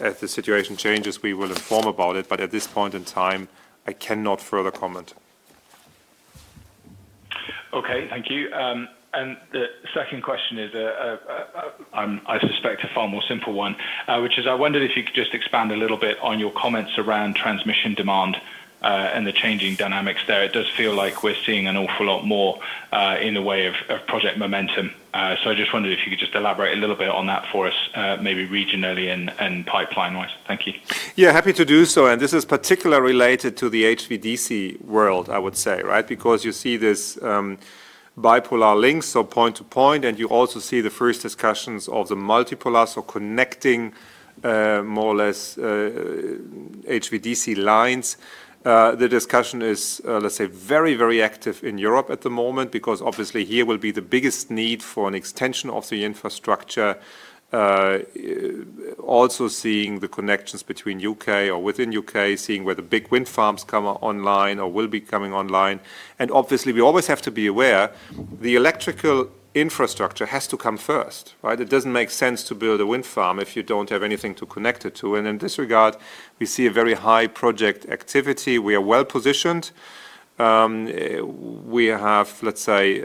as the situation changes, we will inform about it. I cannot further comment. Okay. Thank you. The second question is, I suspect a far more simple one, which is I wondered if you could just expand a little bit on your comments around transmission demand, and the changing dynamics there. It does feel like we're seeing an awful lot more, in the way of project momentum. I just wondered if you could just elaborate a little bit on that for us, maybe regionally and pipeline-wise. Thank you. Yeah, happy to do so. This is particularly related to the HVDC world, I would say, right? Because you see this, bipolar links, so point to point, and you also see the first discussions of the multipolar, so connecting, more or less, HVDC lines. The discussion is, let's say, very, very active in Europe at the moment because obviously here will be the biggest need for an extension of the infrastructure. Also seeing the connections between U.K. or within U.K., seeing where the big wind farms come online or will be coming online. Obviously, we always have to be aware the electrical infrastructure has to come first, right? It doesn't make sense to build a wind farm if you don't have anything to connect it to. In this regard, we see a very high project activity. We are well-positioned. We have, let's say,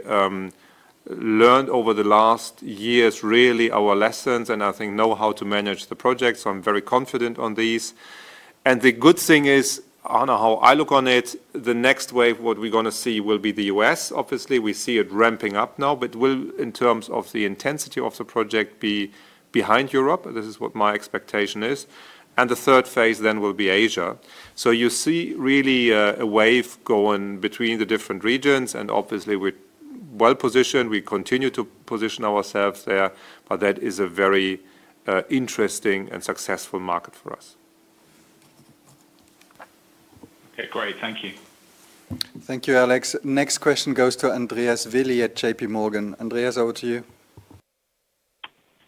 learned over the last years really our lessons and I think know how to manage the projects, so I'm very confident on these. The good thing is, I don't know how I look on it, the next wave, what we're gonna see will be the U.S. Obviously, we see it ramping up now, but will, in terms of the intensity of the project, be behind Europe. This is what my expectation is. The third phase then will be Asia. You see really a wave going between the different regions, and obviously we're well-positioned. We continue to position ourselves there, but that is a very interesting and successful market for us. Okay. Great. Thank you. Thank you, Alex. Next question goes to Andreas Willi at JPMorgan. Andreas, over to you.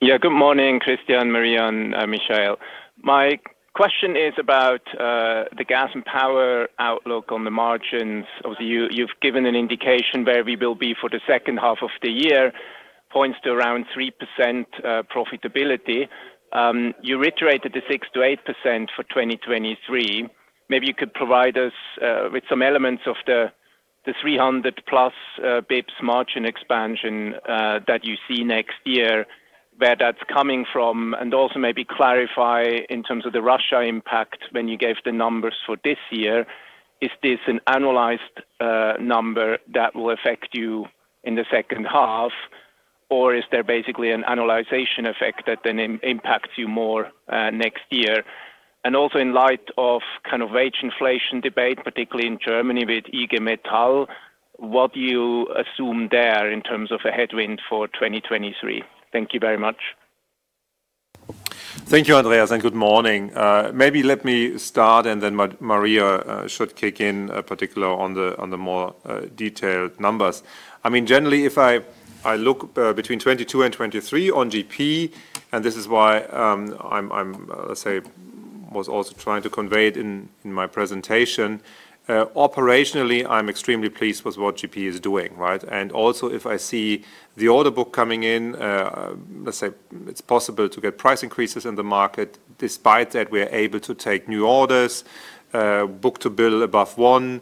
Yeah. Good morning, Christian, Maria, and Michael. My question is about the gas and power outlook on the margins. You've given an indication where we will be for the second half of the year, points to around 3% profitability. You reiterated the 6%-8% for 2023. Maybe you could provide us with some elements of the 300+ bps margin expansion that you see next year, where that's coming from, and also maybe clarify in terms of the Russia impact when you gave the numbers for this year. Is this an annualized number that will affect you in the second half, or is there basically an annualization effect that then impacts you more next year? Also in light of kind of wage inflation debate, particularly in Germany with IG Metall, what do you assume there in terms of a headwind for 2023? Thank you very much. Thank you, Andreas, and good morning. Maybe let me start, and then Maria should kick in, particularly on the more detailed numbers. I mean, generally, if I look between 2022 and 2023 on GP, and this is why, I'm, let's say, was also trying to convey it in my presentation. Operationally, I'm extremely pleased with what GP is doing, right? If I see the order book coming in, let's say it's possible to get price increases in the market. Despite that, we are able to take new orders, book-to-bill above one.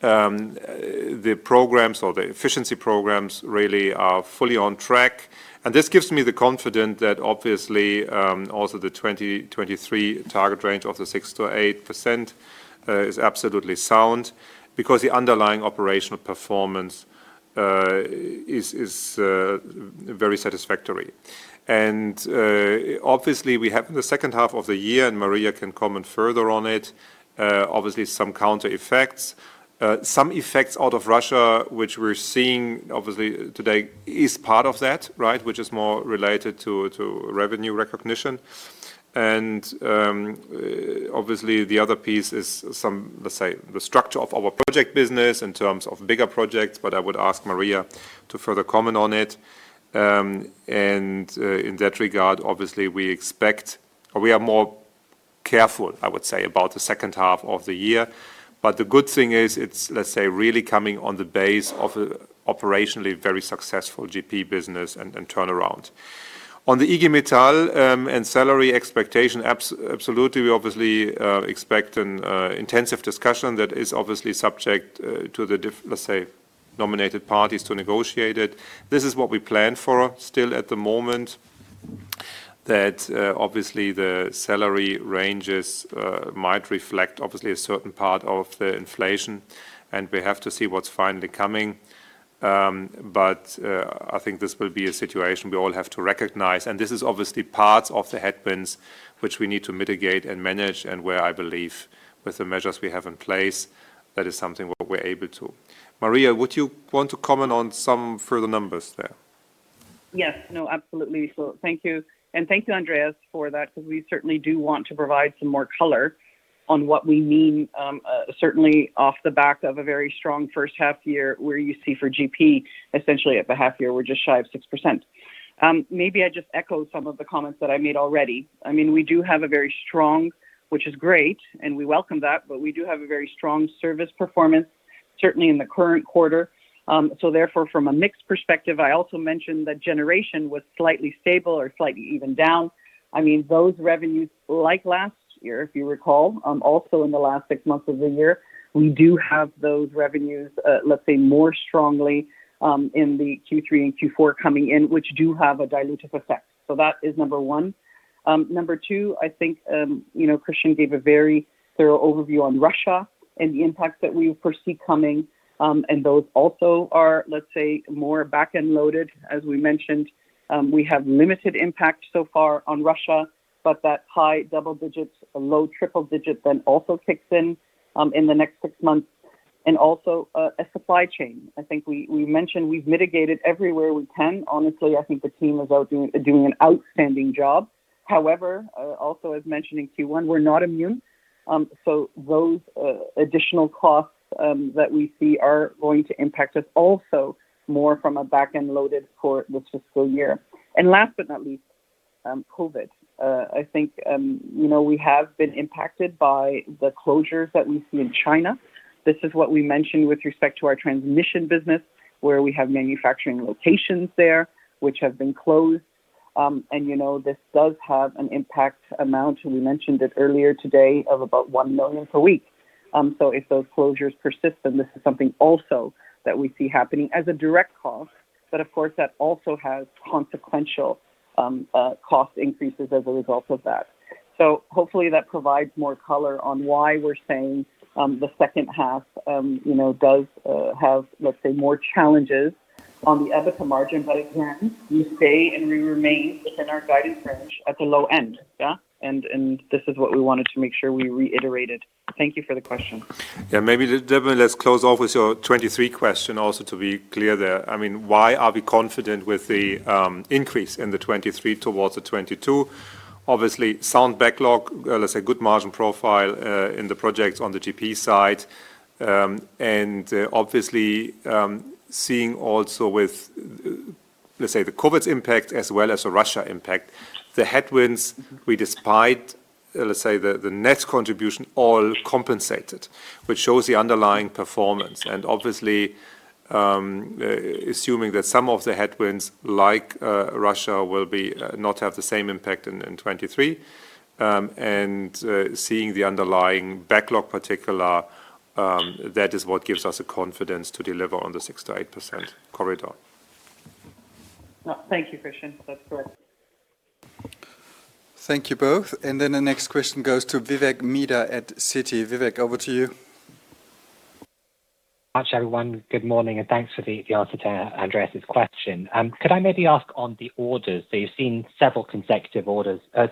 The programs or the efficiency programs really are fully on track. This gives me the confidence that obviously also the 2023 target range of 6%-8% is absolutely sound because the underlying operational performance is very satisfactory. Obviously we have the second half of the year, and Maria can comment further on it. Obviously some counter effects, some effects out of Russia, which we're seeing obviously today, is part of that, right? Which is more related to revenue recognition. Obviously the other piece is some, let's say, the structure of our project business in terms of bigger projects, but I would ask Maria to further comment on it. In that regard, obviously we expect or we are more careful, I would say, about the second half of the year. The good thing is it's, let's say, really coming on the basis of an operationally very successful GP business and turnaround. On the IG Metall and salary expectation, absolutely. We obviously expect an intensive discussion that is obviously subject to the, let's say, nominated parties to negotiate it. This is what we plan for still at the moment, that obviously the salary ranges might reflect obviously a certain part of the inflation, and we have to see what's finally coming. I think this will be a situation we all have to recognize, and this is obviously part of the headwinds which we need to mitigate and manage, and where I believe with the measures we have in place, that is something what we're able to. Maria, would you want to comment on some further numbers there? Yes. No, absolutely. Thank you, and thank you, Andreas, for that, because we certainly do want to provide some more color on what we mean, certainly off the back of a very strong first half year where you see for GP, essentially at the half year, we're just shy of 6%. Maybe I just echo some of the comments that I made already. I mean, we do have a very strong, which is great, and we welcome that, but we do have a very strong service performance, certainly in the current quarter. Therefore, from a mixed perspective, I also mentioned that generation was slightly stable or slightly even down. I mean, those revenues, like last year, if you recall, also in the last six months of the year, we do have those revenues, let's say more strongly, in the Q3 and Q4 coming in, which do have a dilutive effect. So that is number one. Number two, I think, you know, Christian gave a very thorough overview on Russia and the impacts that we foresee coming. Those also are, let's say, more back-end loaded, as we mentioned. We have limited impact so far on Russia, but that high double digits, low triple digits then also kicks in the next six months. Also, a supply chain. I think we mentioned we've mitigated everywhere we can. Honestly, I think the team is all doing an outstanding job. However, also as mentioned in Q1, we're not immune. Those additional costs that we see are going to impact us also more from a back-end loaded for the fiscal year. Last but not least, COVID. I think, you know, we have been impacted by the closures that we see in China. This is what we mentioned with respect to our transmission business, where we have manufacturing locations there which have been closed. You know, this does have an impact amount, we mentioned it earlier today, of about 1 million per week. If those closures persist, then this is something also that we see happening as a direct cost. Of course, that also has consequential cost increases as a result of that. Hopefully that provides more color on why we're saying the second half you know does have, let's say, more challenges on the EBITDA margin. Again, we stay and we remain within our guidance range at the low end, yeah. This is what we wanted to make sure we reiterated. Thank you for the question. Yeah. Maybe, definitely let's close off with your 2023 question also to be clear there. I mean, why are we confident with the increase in the 2023 towards the 2022? Obviously sound backlog, let's say good margin profile in the projects on the GP side. Obviously, seeing also with, let's say, the COVID's impact as well as the Russia impact, the headwinds, despite the net contribution all compensated, which shows the underlying performance. Obviously, assuming that some of the headwinds like Russia will not have the same impact in 2023, and seeing the underlying backlog, in particular, that is what gives us the confidence to deliver on the 6%-8% corridor. No. Thank you, Christian. That's correct. Thank you both. The next question goes to Vivek Midha at Citi. Vivek, over to you. Thanks, everyone. Good morning, and thanks for the answer to Andreas's question. Could I maybe ask on the orders? You've seen several consecutive quarters of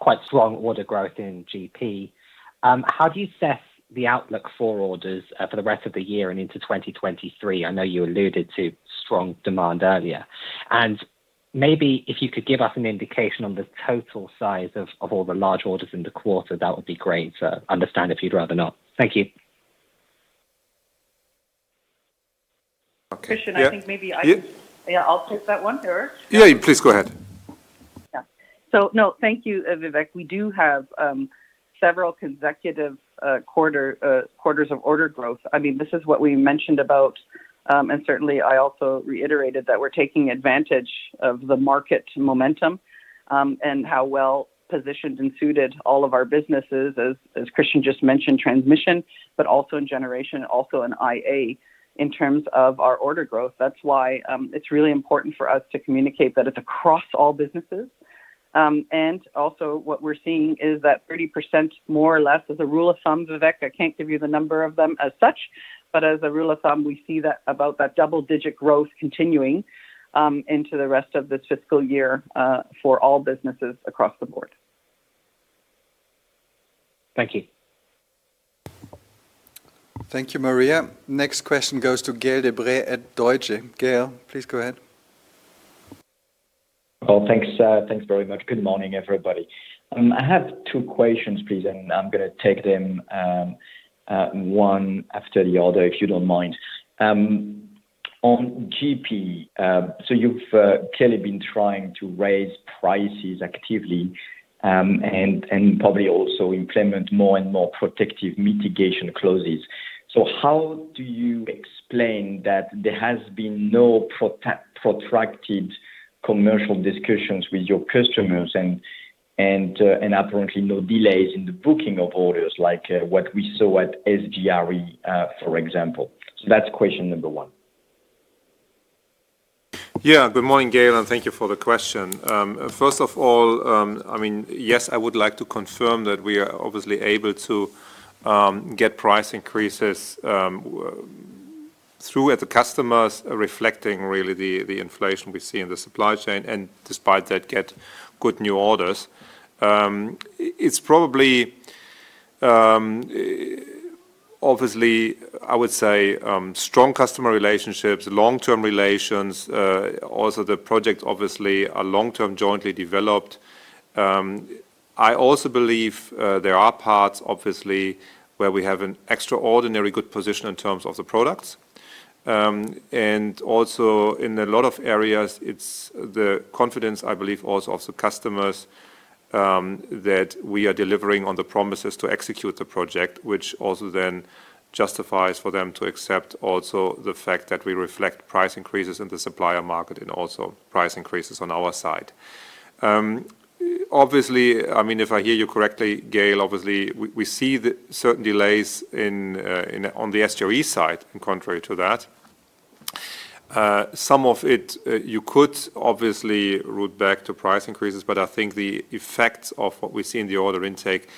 quite strong order growth in GP. How do you assess the outlook for orders for the rest of the year and into 2023? I know you alluded to strong demand earlier. Maybe if you could give us an indication on the total size of all the large orders in the quarter, that would be great. I understand if you'd rather not. Thank you. Christian, I think maybe I can- Yeah. Yeah, I'll take that one. Sure. Yeah, please go ahead. Yeah. No, thank you, Vivek. We do have several consecutive quarters of order growth. I mean, this is what we mentioned about, and certainly I also reiterated that we're taking advantage of the market momentum, and how well-positioned and suited all of our businesses as Christian just mentioned, transmission, but also in generation, also in IA in terms of our order growth. That's why it's really important for us to communicate that it's across all businesses. Also what we're seeing is that 30% more or less as a rule of thumb, Vivek, I can't give you the number of them as such, but as a rule of thumb, we see that about that double-digit growth continuing into the rest of this fiscal year for all businesses across the board. Thank you. Thank you, Maria. Next question goes to Gaël de Bray at Deutsche. Gaël, please go ahead. Well, thanks very much. Good morning, everybody. I have two questions, please, and I'm gonna take them one after the other, if you don't mind. On GP, you've clearly been trying to raise prices actively, and probably also implement more and more protective mitigation clauses. How do you explain that there has been no protracted commercial discussions with your customers and apparently no delays in the booking of orders like what we saw at SGRE, for example? That's question number one. Yeah. Good morning, Gaël, and thank you for the question. First of all, I mean, yes, I would like to confirm that we are obviously able to get price increases through with the customers reflecting really the inflation we see in the supply chain, and despite that, get good new orders. It's probably obviously, I would say, strong customer relationships, long-term relations, also the projects obviously are long-term jointly developed. I also believe there are parts obviously where we have an extraordinary good position in terms of the products. Also in a lot of areas, it's the confidence, I believe, also of the customers, that we are delivering on the promises to execute the project, which also then justifies for them to accept also the fact that we reflect price increases in the supplier market and also price increases on our side. Obviously, I mean, if I hear you correctly, Gaël, obviously we see the certain delays in on the SGRE side and contrary to that. Some of it you could obviously trace back to price increases, but I think the effects of what we see in the order intake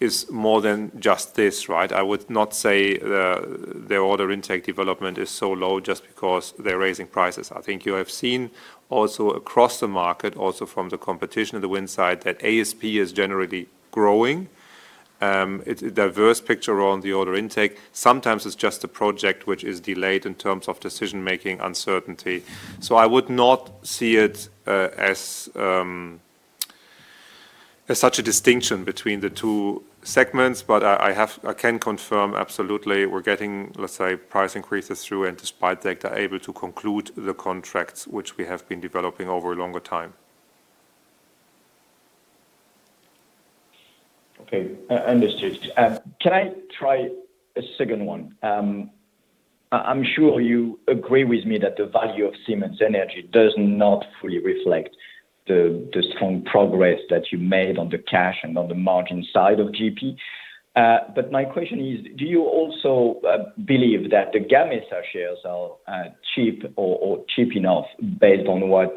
is more than just this, right? I would not say the order intake development is so low just because they're raising prices. I think you have seen also across the market, also from the competition on the wind side, that ASP is generally growing. It's a diverse picture around the order intake. Sometimes it's just a project which is delayed in terms of decision-making uncertainty. I would not see it as such a distinction between the two segments, but I can confirm absolutely we're getting, let's say, price increases through, and despite that are able to conclude the contracts which we have been developing over a longer time. Okay. Understood. Can I try a second one? I'm sure you agree with me that the value of Siemens Energy does not fully reflect the strong progress that you made on the cash and on the margin side of GP. My question is, do you also believe that the Gamesa shares are cheap or cheap enough based on what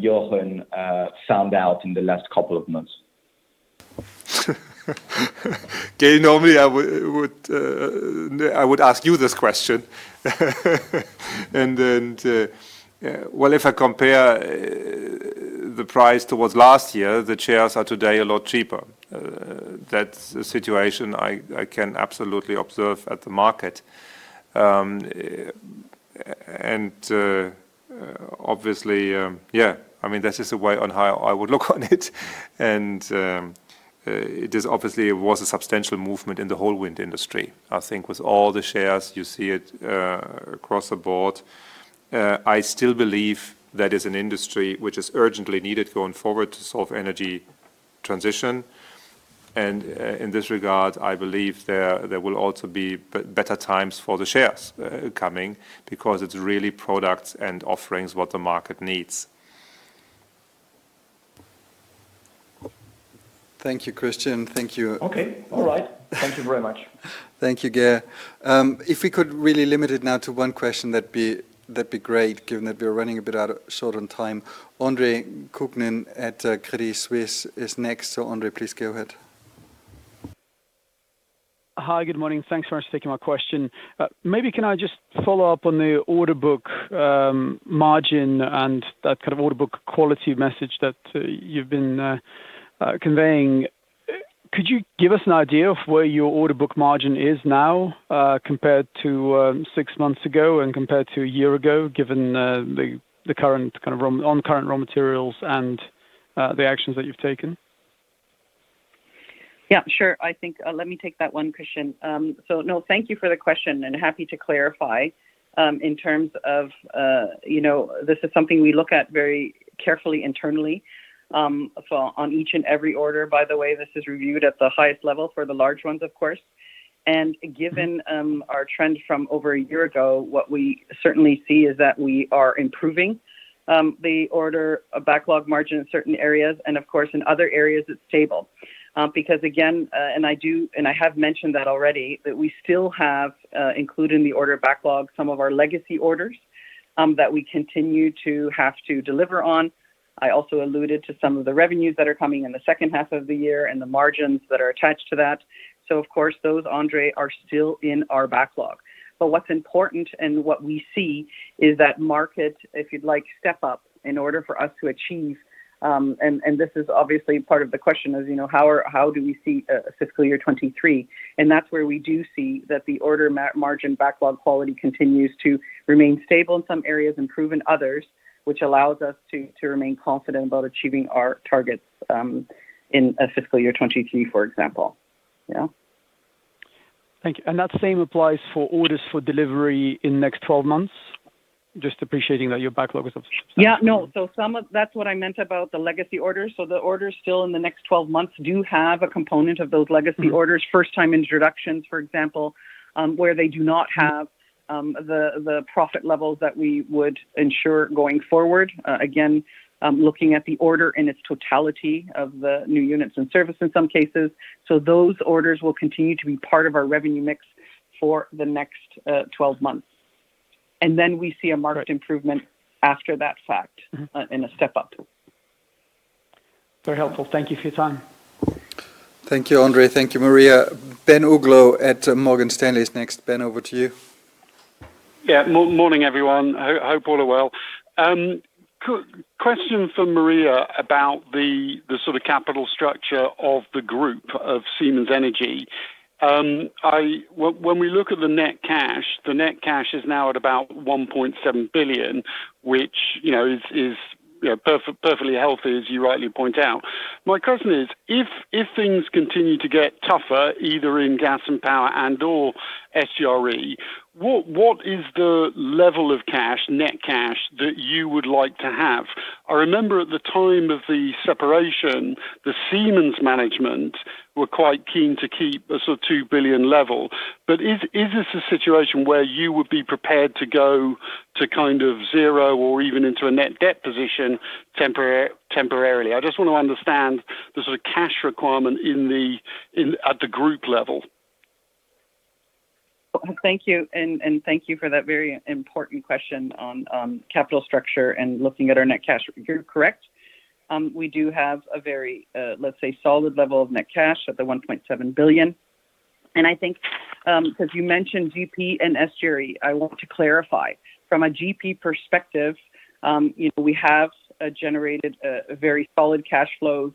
Jochen Eickholt found out in the last couple of months? Gaël, normally I would ask you this question. Well, if I compare the price towards last year, the shares are today a lot cheaper. That's a situation I can absolutely observe at the market. Obviously, yeah, I mean, this is a way on how I would look on it. It obviously was a substantial movement in the whole wind industry. I think with all the shares, you see it across the board. I still believe that is an industry which is urgently needed going forward to solve energy transition. In this regard, I believe there will also be better times for the shares coming because it's really products and offerings what the market needs. Thank you, Christian. Thank you. Okay. All right. Thank you very much. Thank you, Gaël. If we could really limit it now to one question, that'd be great, given that we're running a bit short on time. Andre Kukhnin at Credit Suisse is next. Andre, please go ahead. Hi. Good morning. Thanks very much for taking my question. Maybe can I just follow up on the order book, margin and that kind of order book quality message that you've been conveying. Could you give us an idea of where your order book margin is now, compared to six months ago and compared to a year ago, given the current kind of raw materials and the actions that you've taken? Yeah, sure. I think, let me take that one, Christian. So no, thank you for the question, and happy to clarify. In terms of, you know, this is something we look at very carefully internally, so on each and every order, by the way, this is reviewed at the highest level for the large ones, of course. Given our trends from over a year ago, what we certainly see is that we are improving the order backlog margin in certain areas, and of course, in other areas it's stable. Because again, I have mentioned that already, that we still have, including the order backlog, some of our legacy orders that we continue to have to deliver on. I also alluded to some of the revenues that are coming in the second half of the year and the margins that are attached to that. Of course, those, Andre, are still in our backlog. What's important and what we see is that market, if you'd like, step up in order for us to achieve, and this is obviously part of the question as, you know, how do we see fiscal year 2023? That's where we do see that the order margin backlog quality continues to remain stable in some areas, improve in others, which allows us to remain confident about achieving our targets in a fiscal year 2022, for example. Yeah. Thank you. That same applies for orders for delivery in next twelve months? Just appreciating that your backlog is. Yeah. No. That's what I meant about the legacy orders. The orders still in the next twelve months do have a component of those legacy orders. First time introductions, for example, where they do not have the profit levels that we would ensure going forward. Again, looking at the order in its totality of the new units and service in some cases. Those orders will continue to be part of our revenue mix for the next 12 months. Then we see a marked improvement after that fact in a step up. Very helpful. Thank you for your time. Thank you, Andre. Thank you, Maria. Ben Uglow at Morgan Stanley is next. Ben, over to you. Yeah. Morning, everyone. Hope all are well. Question for Maria about the sort of capital structure of the group of Siemens Energy. When we look at the net cash, the net cash is now at about 1.7 billion, which, you know, is perfectly healthy, as you rightly point out. My question is, if things continue to get tougher either in gas and power and/or SGRE, what is the level of cash, net cash that you would like to have? I remember at the time of the separation, the Siemens management were quite keen to keep a sort of 2 billion level. But is this a situation where you would be prepared to go to kind of zero or even into a net debt position temporarily? I just want to understand the sort of cash requirement in at the group level. Thank you. Thank you for that very important question on capital structure and looking at our net cash. You're correct. We do have a very, let's say, solid level of net cash at 1.7 billion. I think, because you mentioned GP and SGRE, I want to clarify. From a GP perspective, you know, we have generated a very solid cash flow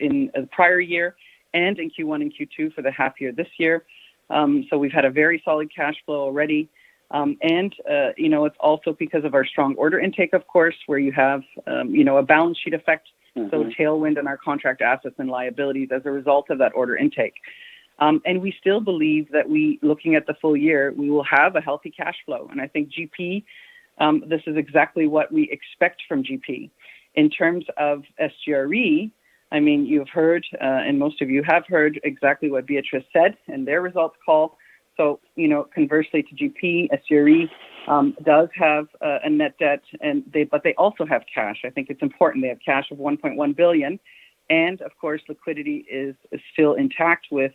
in the prior year and in Q1 and Q2 for the half year this year. We've had a very solid cash flow already. You know, it's also because of our strong order intake, of course, where you have, you know, a balance sheet effect. Mm-hmm. Tailwind in our contract assets and liabilities as a result of that order intake. We still believe that we, looking at the full year, we will have a healthy cash flow. I think GP, this is exactly what we expect from GP. In terms of SGRE, I mean, you've heard, and most of you have heard exactly what Beatriz said in their results call. You know, conversely to GP, SGRE does have a net debt, and they also have cash. I think it's important they have cash of 1.1 billion. Of course, liquidity is still intact with,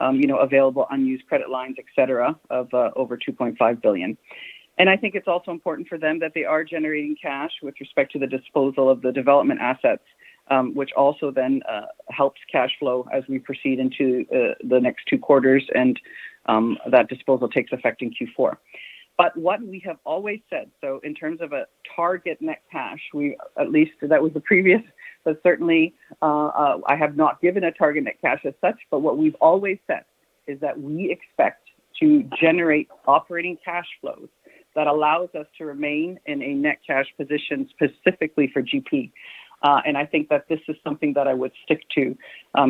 you know, available unused credit lines, et cetera, of over 2.5 billion. I think it's also important for them that they are generating cash with respect to the disposal of the development assets, which also then helps cash flow as we proceed into the next two quarters, and that disposal takes effect in Q4. What we have always said, so in terms of a target net cash, that was the previous, but certainly I have not given a target net cash as such. What we've always said is that we expect to generate operating cash flows that allows us to remain in a net cash position specifically for GP. I think that this is something that I would stick to,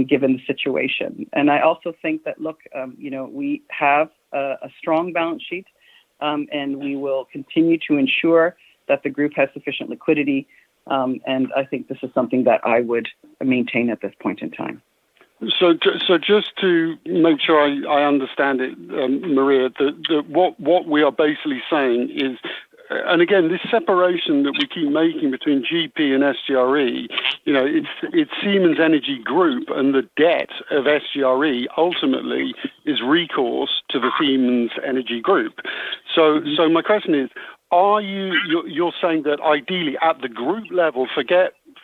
given the situation. I also think that, look, you know, we have a strong balance sheet, and we will continue to ensure that the group has sufficient liquidity. I think this is something that I would maintain at this point in time. Just to make sure I understand it, Maria, what we are basically saying is this separation that we keep making between GP and SGRE, it's Siemens Energy Group, and the debt of SGRE ultimately is recourse to the Siemens Energy Group. My question is, you're saying that ideally at the group level,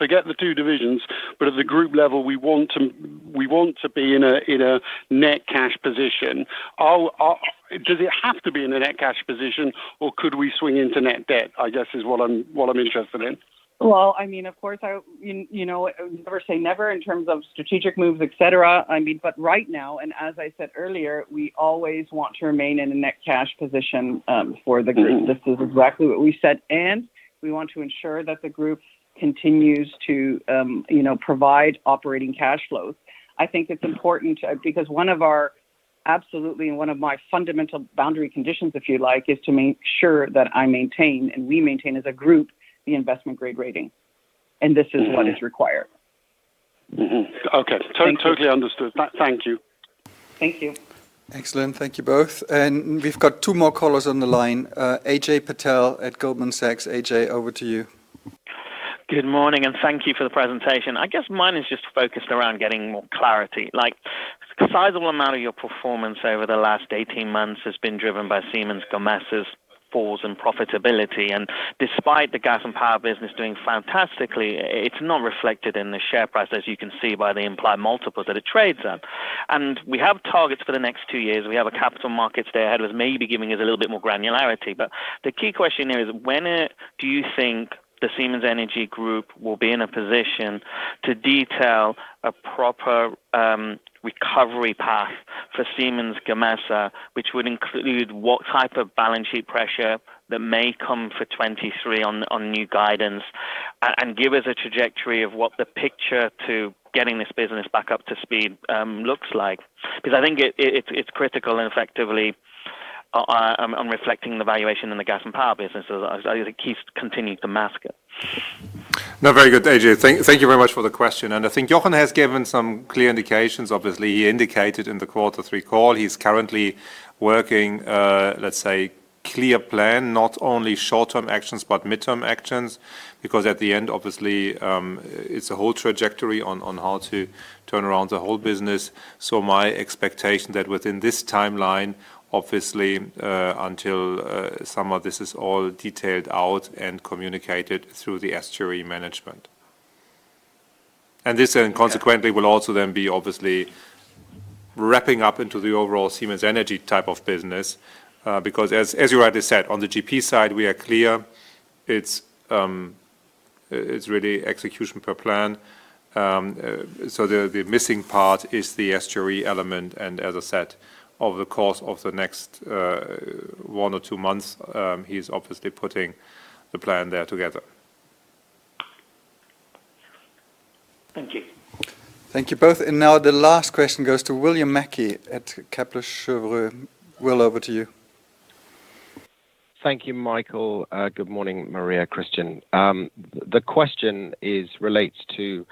forget the two divisions, but at the group level, we want to be in a net cash position. Does it have to be in a net cash position, or could we swing into net debt, I guess is what I'm interested in? Well, I mean, of course, you know, never say never in terms of strategic moves, et cetera. I mean, but right now, and as I said earlier, we always want to remain in a net cash position for the group. This is exactly what we said. We want to ensure that the group continues to, you know, provide operating cash flows. I think it's important to. Because one of our absolute, and one of my fundamental boundary conditions, if you like, is to make sure that I maintain, and we maintain as a group, the investment-grade rating. This is what is required. Mm-hmm. Okay. Totally understood. Thank you. Thank you. Excellent. Thank you both. We've got two more callers on the line. Ajay Patel at Goldman Sachs. Ajay, over to you. Good morning, and thank you for the presentation. I guess mine is just focused around getting more clarity. Like, a sizable amount of your performance over the last 18 months has been driven by Siemens Gamesa's flaws and profitability. Despite the gas and power business doing fantastically, it's not reflected in the share price, as you can see by the implied multiples that it trades at. We have targets for the next two years. We have a Capital Markets Day ahead, was maybe giving us a little bit more granularity. The key question there is, when do you think the Siemens Energy group will be in a position to detail a proper recovery path for Siemens Gamesa, which would include what type of balance sheet pressure that may come for 2023 on new guidance? Give us a trajectory of what the picture of getting this business back up to speed looks like. Because I think it's critical and effectively not reflecting the valuation in the gas and power business, so that keeps continuing to mask it. No, very good, Ajay. Thank you very much for the question. I think Jochen has given some clear indications. Obviously, he indicated in the quarter three call, he's currently working, let's say, clear plan, not only short-term actions, but midterm actions. Because at the end, obviously, it's a whole trajectory on how to turn around the whole business. My expectation that within this timeline, obviously, until some of this is all detailed out and communicated through the SGRE management. This then consequently will also then be obviously wrapping up into the overall Siemens Energy type of business, because as you rightly said, on the GP side, we are clear. It's really execution per plan. The missing part is the SGRE element. As I said, over the course of the next one or two months, he's obviously putting the plan there together. Thank you. Thank you both. Now the last question goes to William Mackie at Kepler Cheuvreux. Will, over to you. Thank you, Michael. Good morning, Maria, Christian. The question relates to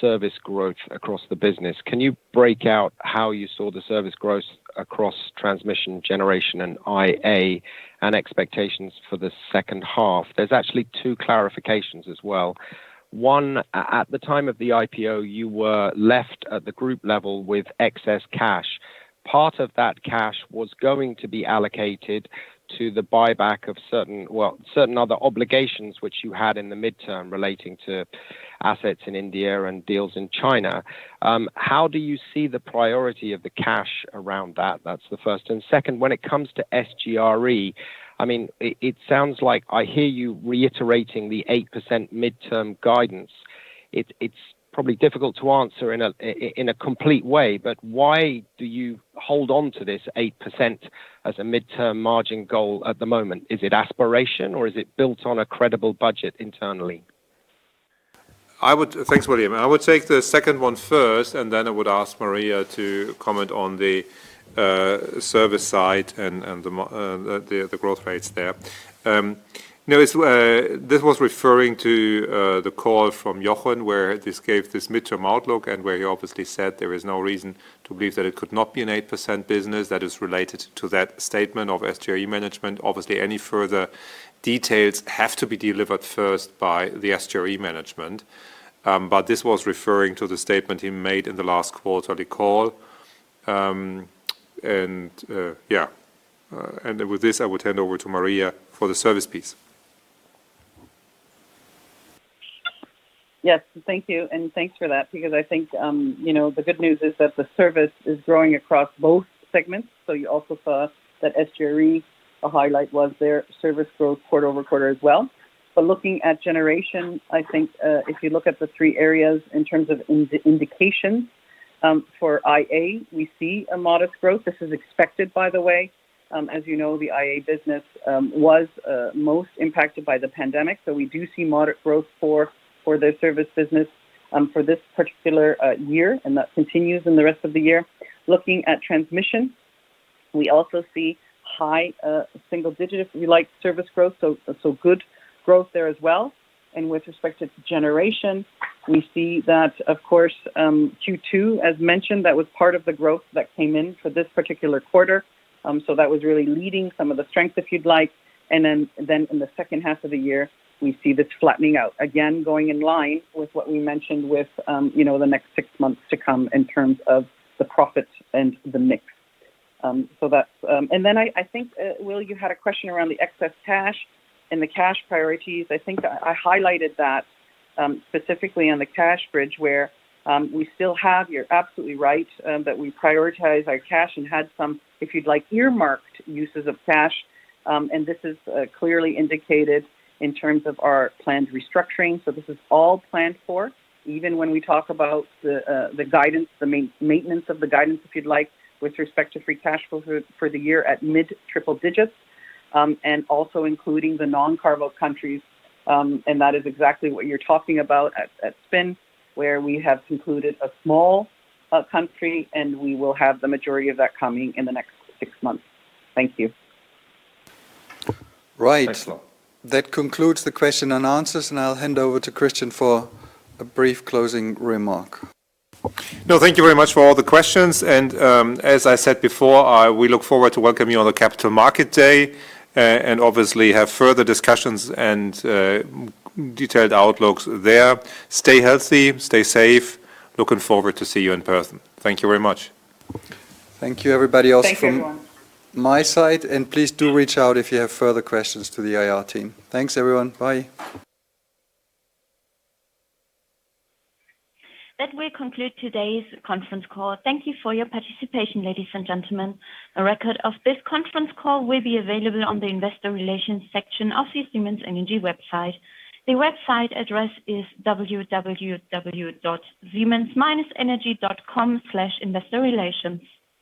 service growth across the business. Can you break out how you saw the service growth across transmission, generation, and IA and expectations for the second half? There's actually two clarifications as well. One, at the time of the IPO, you were left at the group level with excess cash. Part of that cash was going to be allocated to the buyback of certain other obligations which you had in the midterm relating to assets in India and deals in China. How do you see the priority of the cash around that? That's the first. Second, when it comes to SGRE, it sounds like I hear you reiterating the 8% midterm guidance. It's probably difficult to answer in a complete way, but why do you hold on to this 8% as a midterm margin goal at the moment? Is it aspiration or is it built on a credible budget internally? Thanks, William. I would take the second one first, and then I would ask Maria to comment on the service side and the growth rates there. You know, it's this was referring to the call from Jochen, where this gave this midterm outlook and where he obviously said there is no reason to believe that it could not be an 8% business that is related to that statement of SGRE management. Obviously, any further details have to be delivered first by the SGRE management. This was referring to the statement he made in the last quarterly call. With this, I will hand over to Maria for the service piece. Yes. Thank you. Thanks for that because I think, you know, the good news is that the service is growing across both segments. You also saw that SGRE, a highlight was their service growth quarter-over-quarter as well. Looking at generation, I think, if you look at the three areas in terms of indication, for IA, we see a modest growth. This is expected, by the way. As you know, the IA business was most impacted by the pandemic. We do see moderate growth for their service business for this particular year, and that continues in the rest of the year. Looking at transmission, we also see high single digits, if you like, service growth, good growth there as well. With respect to generation, we see that, of course, Q2, as mentioned, that was part of the growth that came in for this particular quarter. That was really leading some of the strength, if you'd like. In the second half of the year, we see this flattening out. Again, going in line with what we mentioned with, you know, the next six months to come in terms of the profits and the mix. That's it. I think, William, you had a question around the excess cash and the cash priorities. I think I highlighted that, specifically on the cash bridge, where, we still have, you're absolutely right, that we prioritize our cash and had some, if you'd like, earmarked uses of cash. This is clearly indicated in terms of our planned restructuring. This is all planned for, even when we talk about the guidance, the maintenance of the guidance, if you'd like, with respect to free cash flow for the year at mid triple digits, and also including the non-carve-out countries, and that is exactly what you're talking about at Spin, where we have concluded a small country, and we will have the majority of that coming in the next six months. Thank you. Right. Thanks a lot. That concludes the question and answers, and I'll hand over to Christian for a brief closing remark. No, thank you very much for all the questions. As I said before, we look forward to welcoming you on the Capital Markets Day, and obviously have further discussions and detailed outlooks there. Stay healthy, stay safe. Looking forward to see you in person. Thank you very much. Thank you everybody else. Thanks, everyone. From my side, and please do reach out if you have further questions to the IR team. Thanks, everyone. Bye. That will conclude today's conference call. Thank you for your participation, ladies and gentlemen. A record of this conference call will be available on the Investor Relations section of the Siemens Energy website. The website address is www.siemens-energy.com/investorrelations.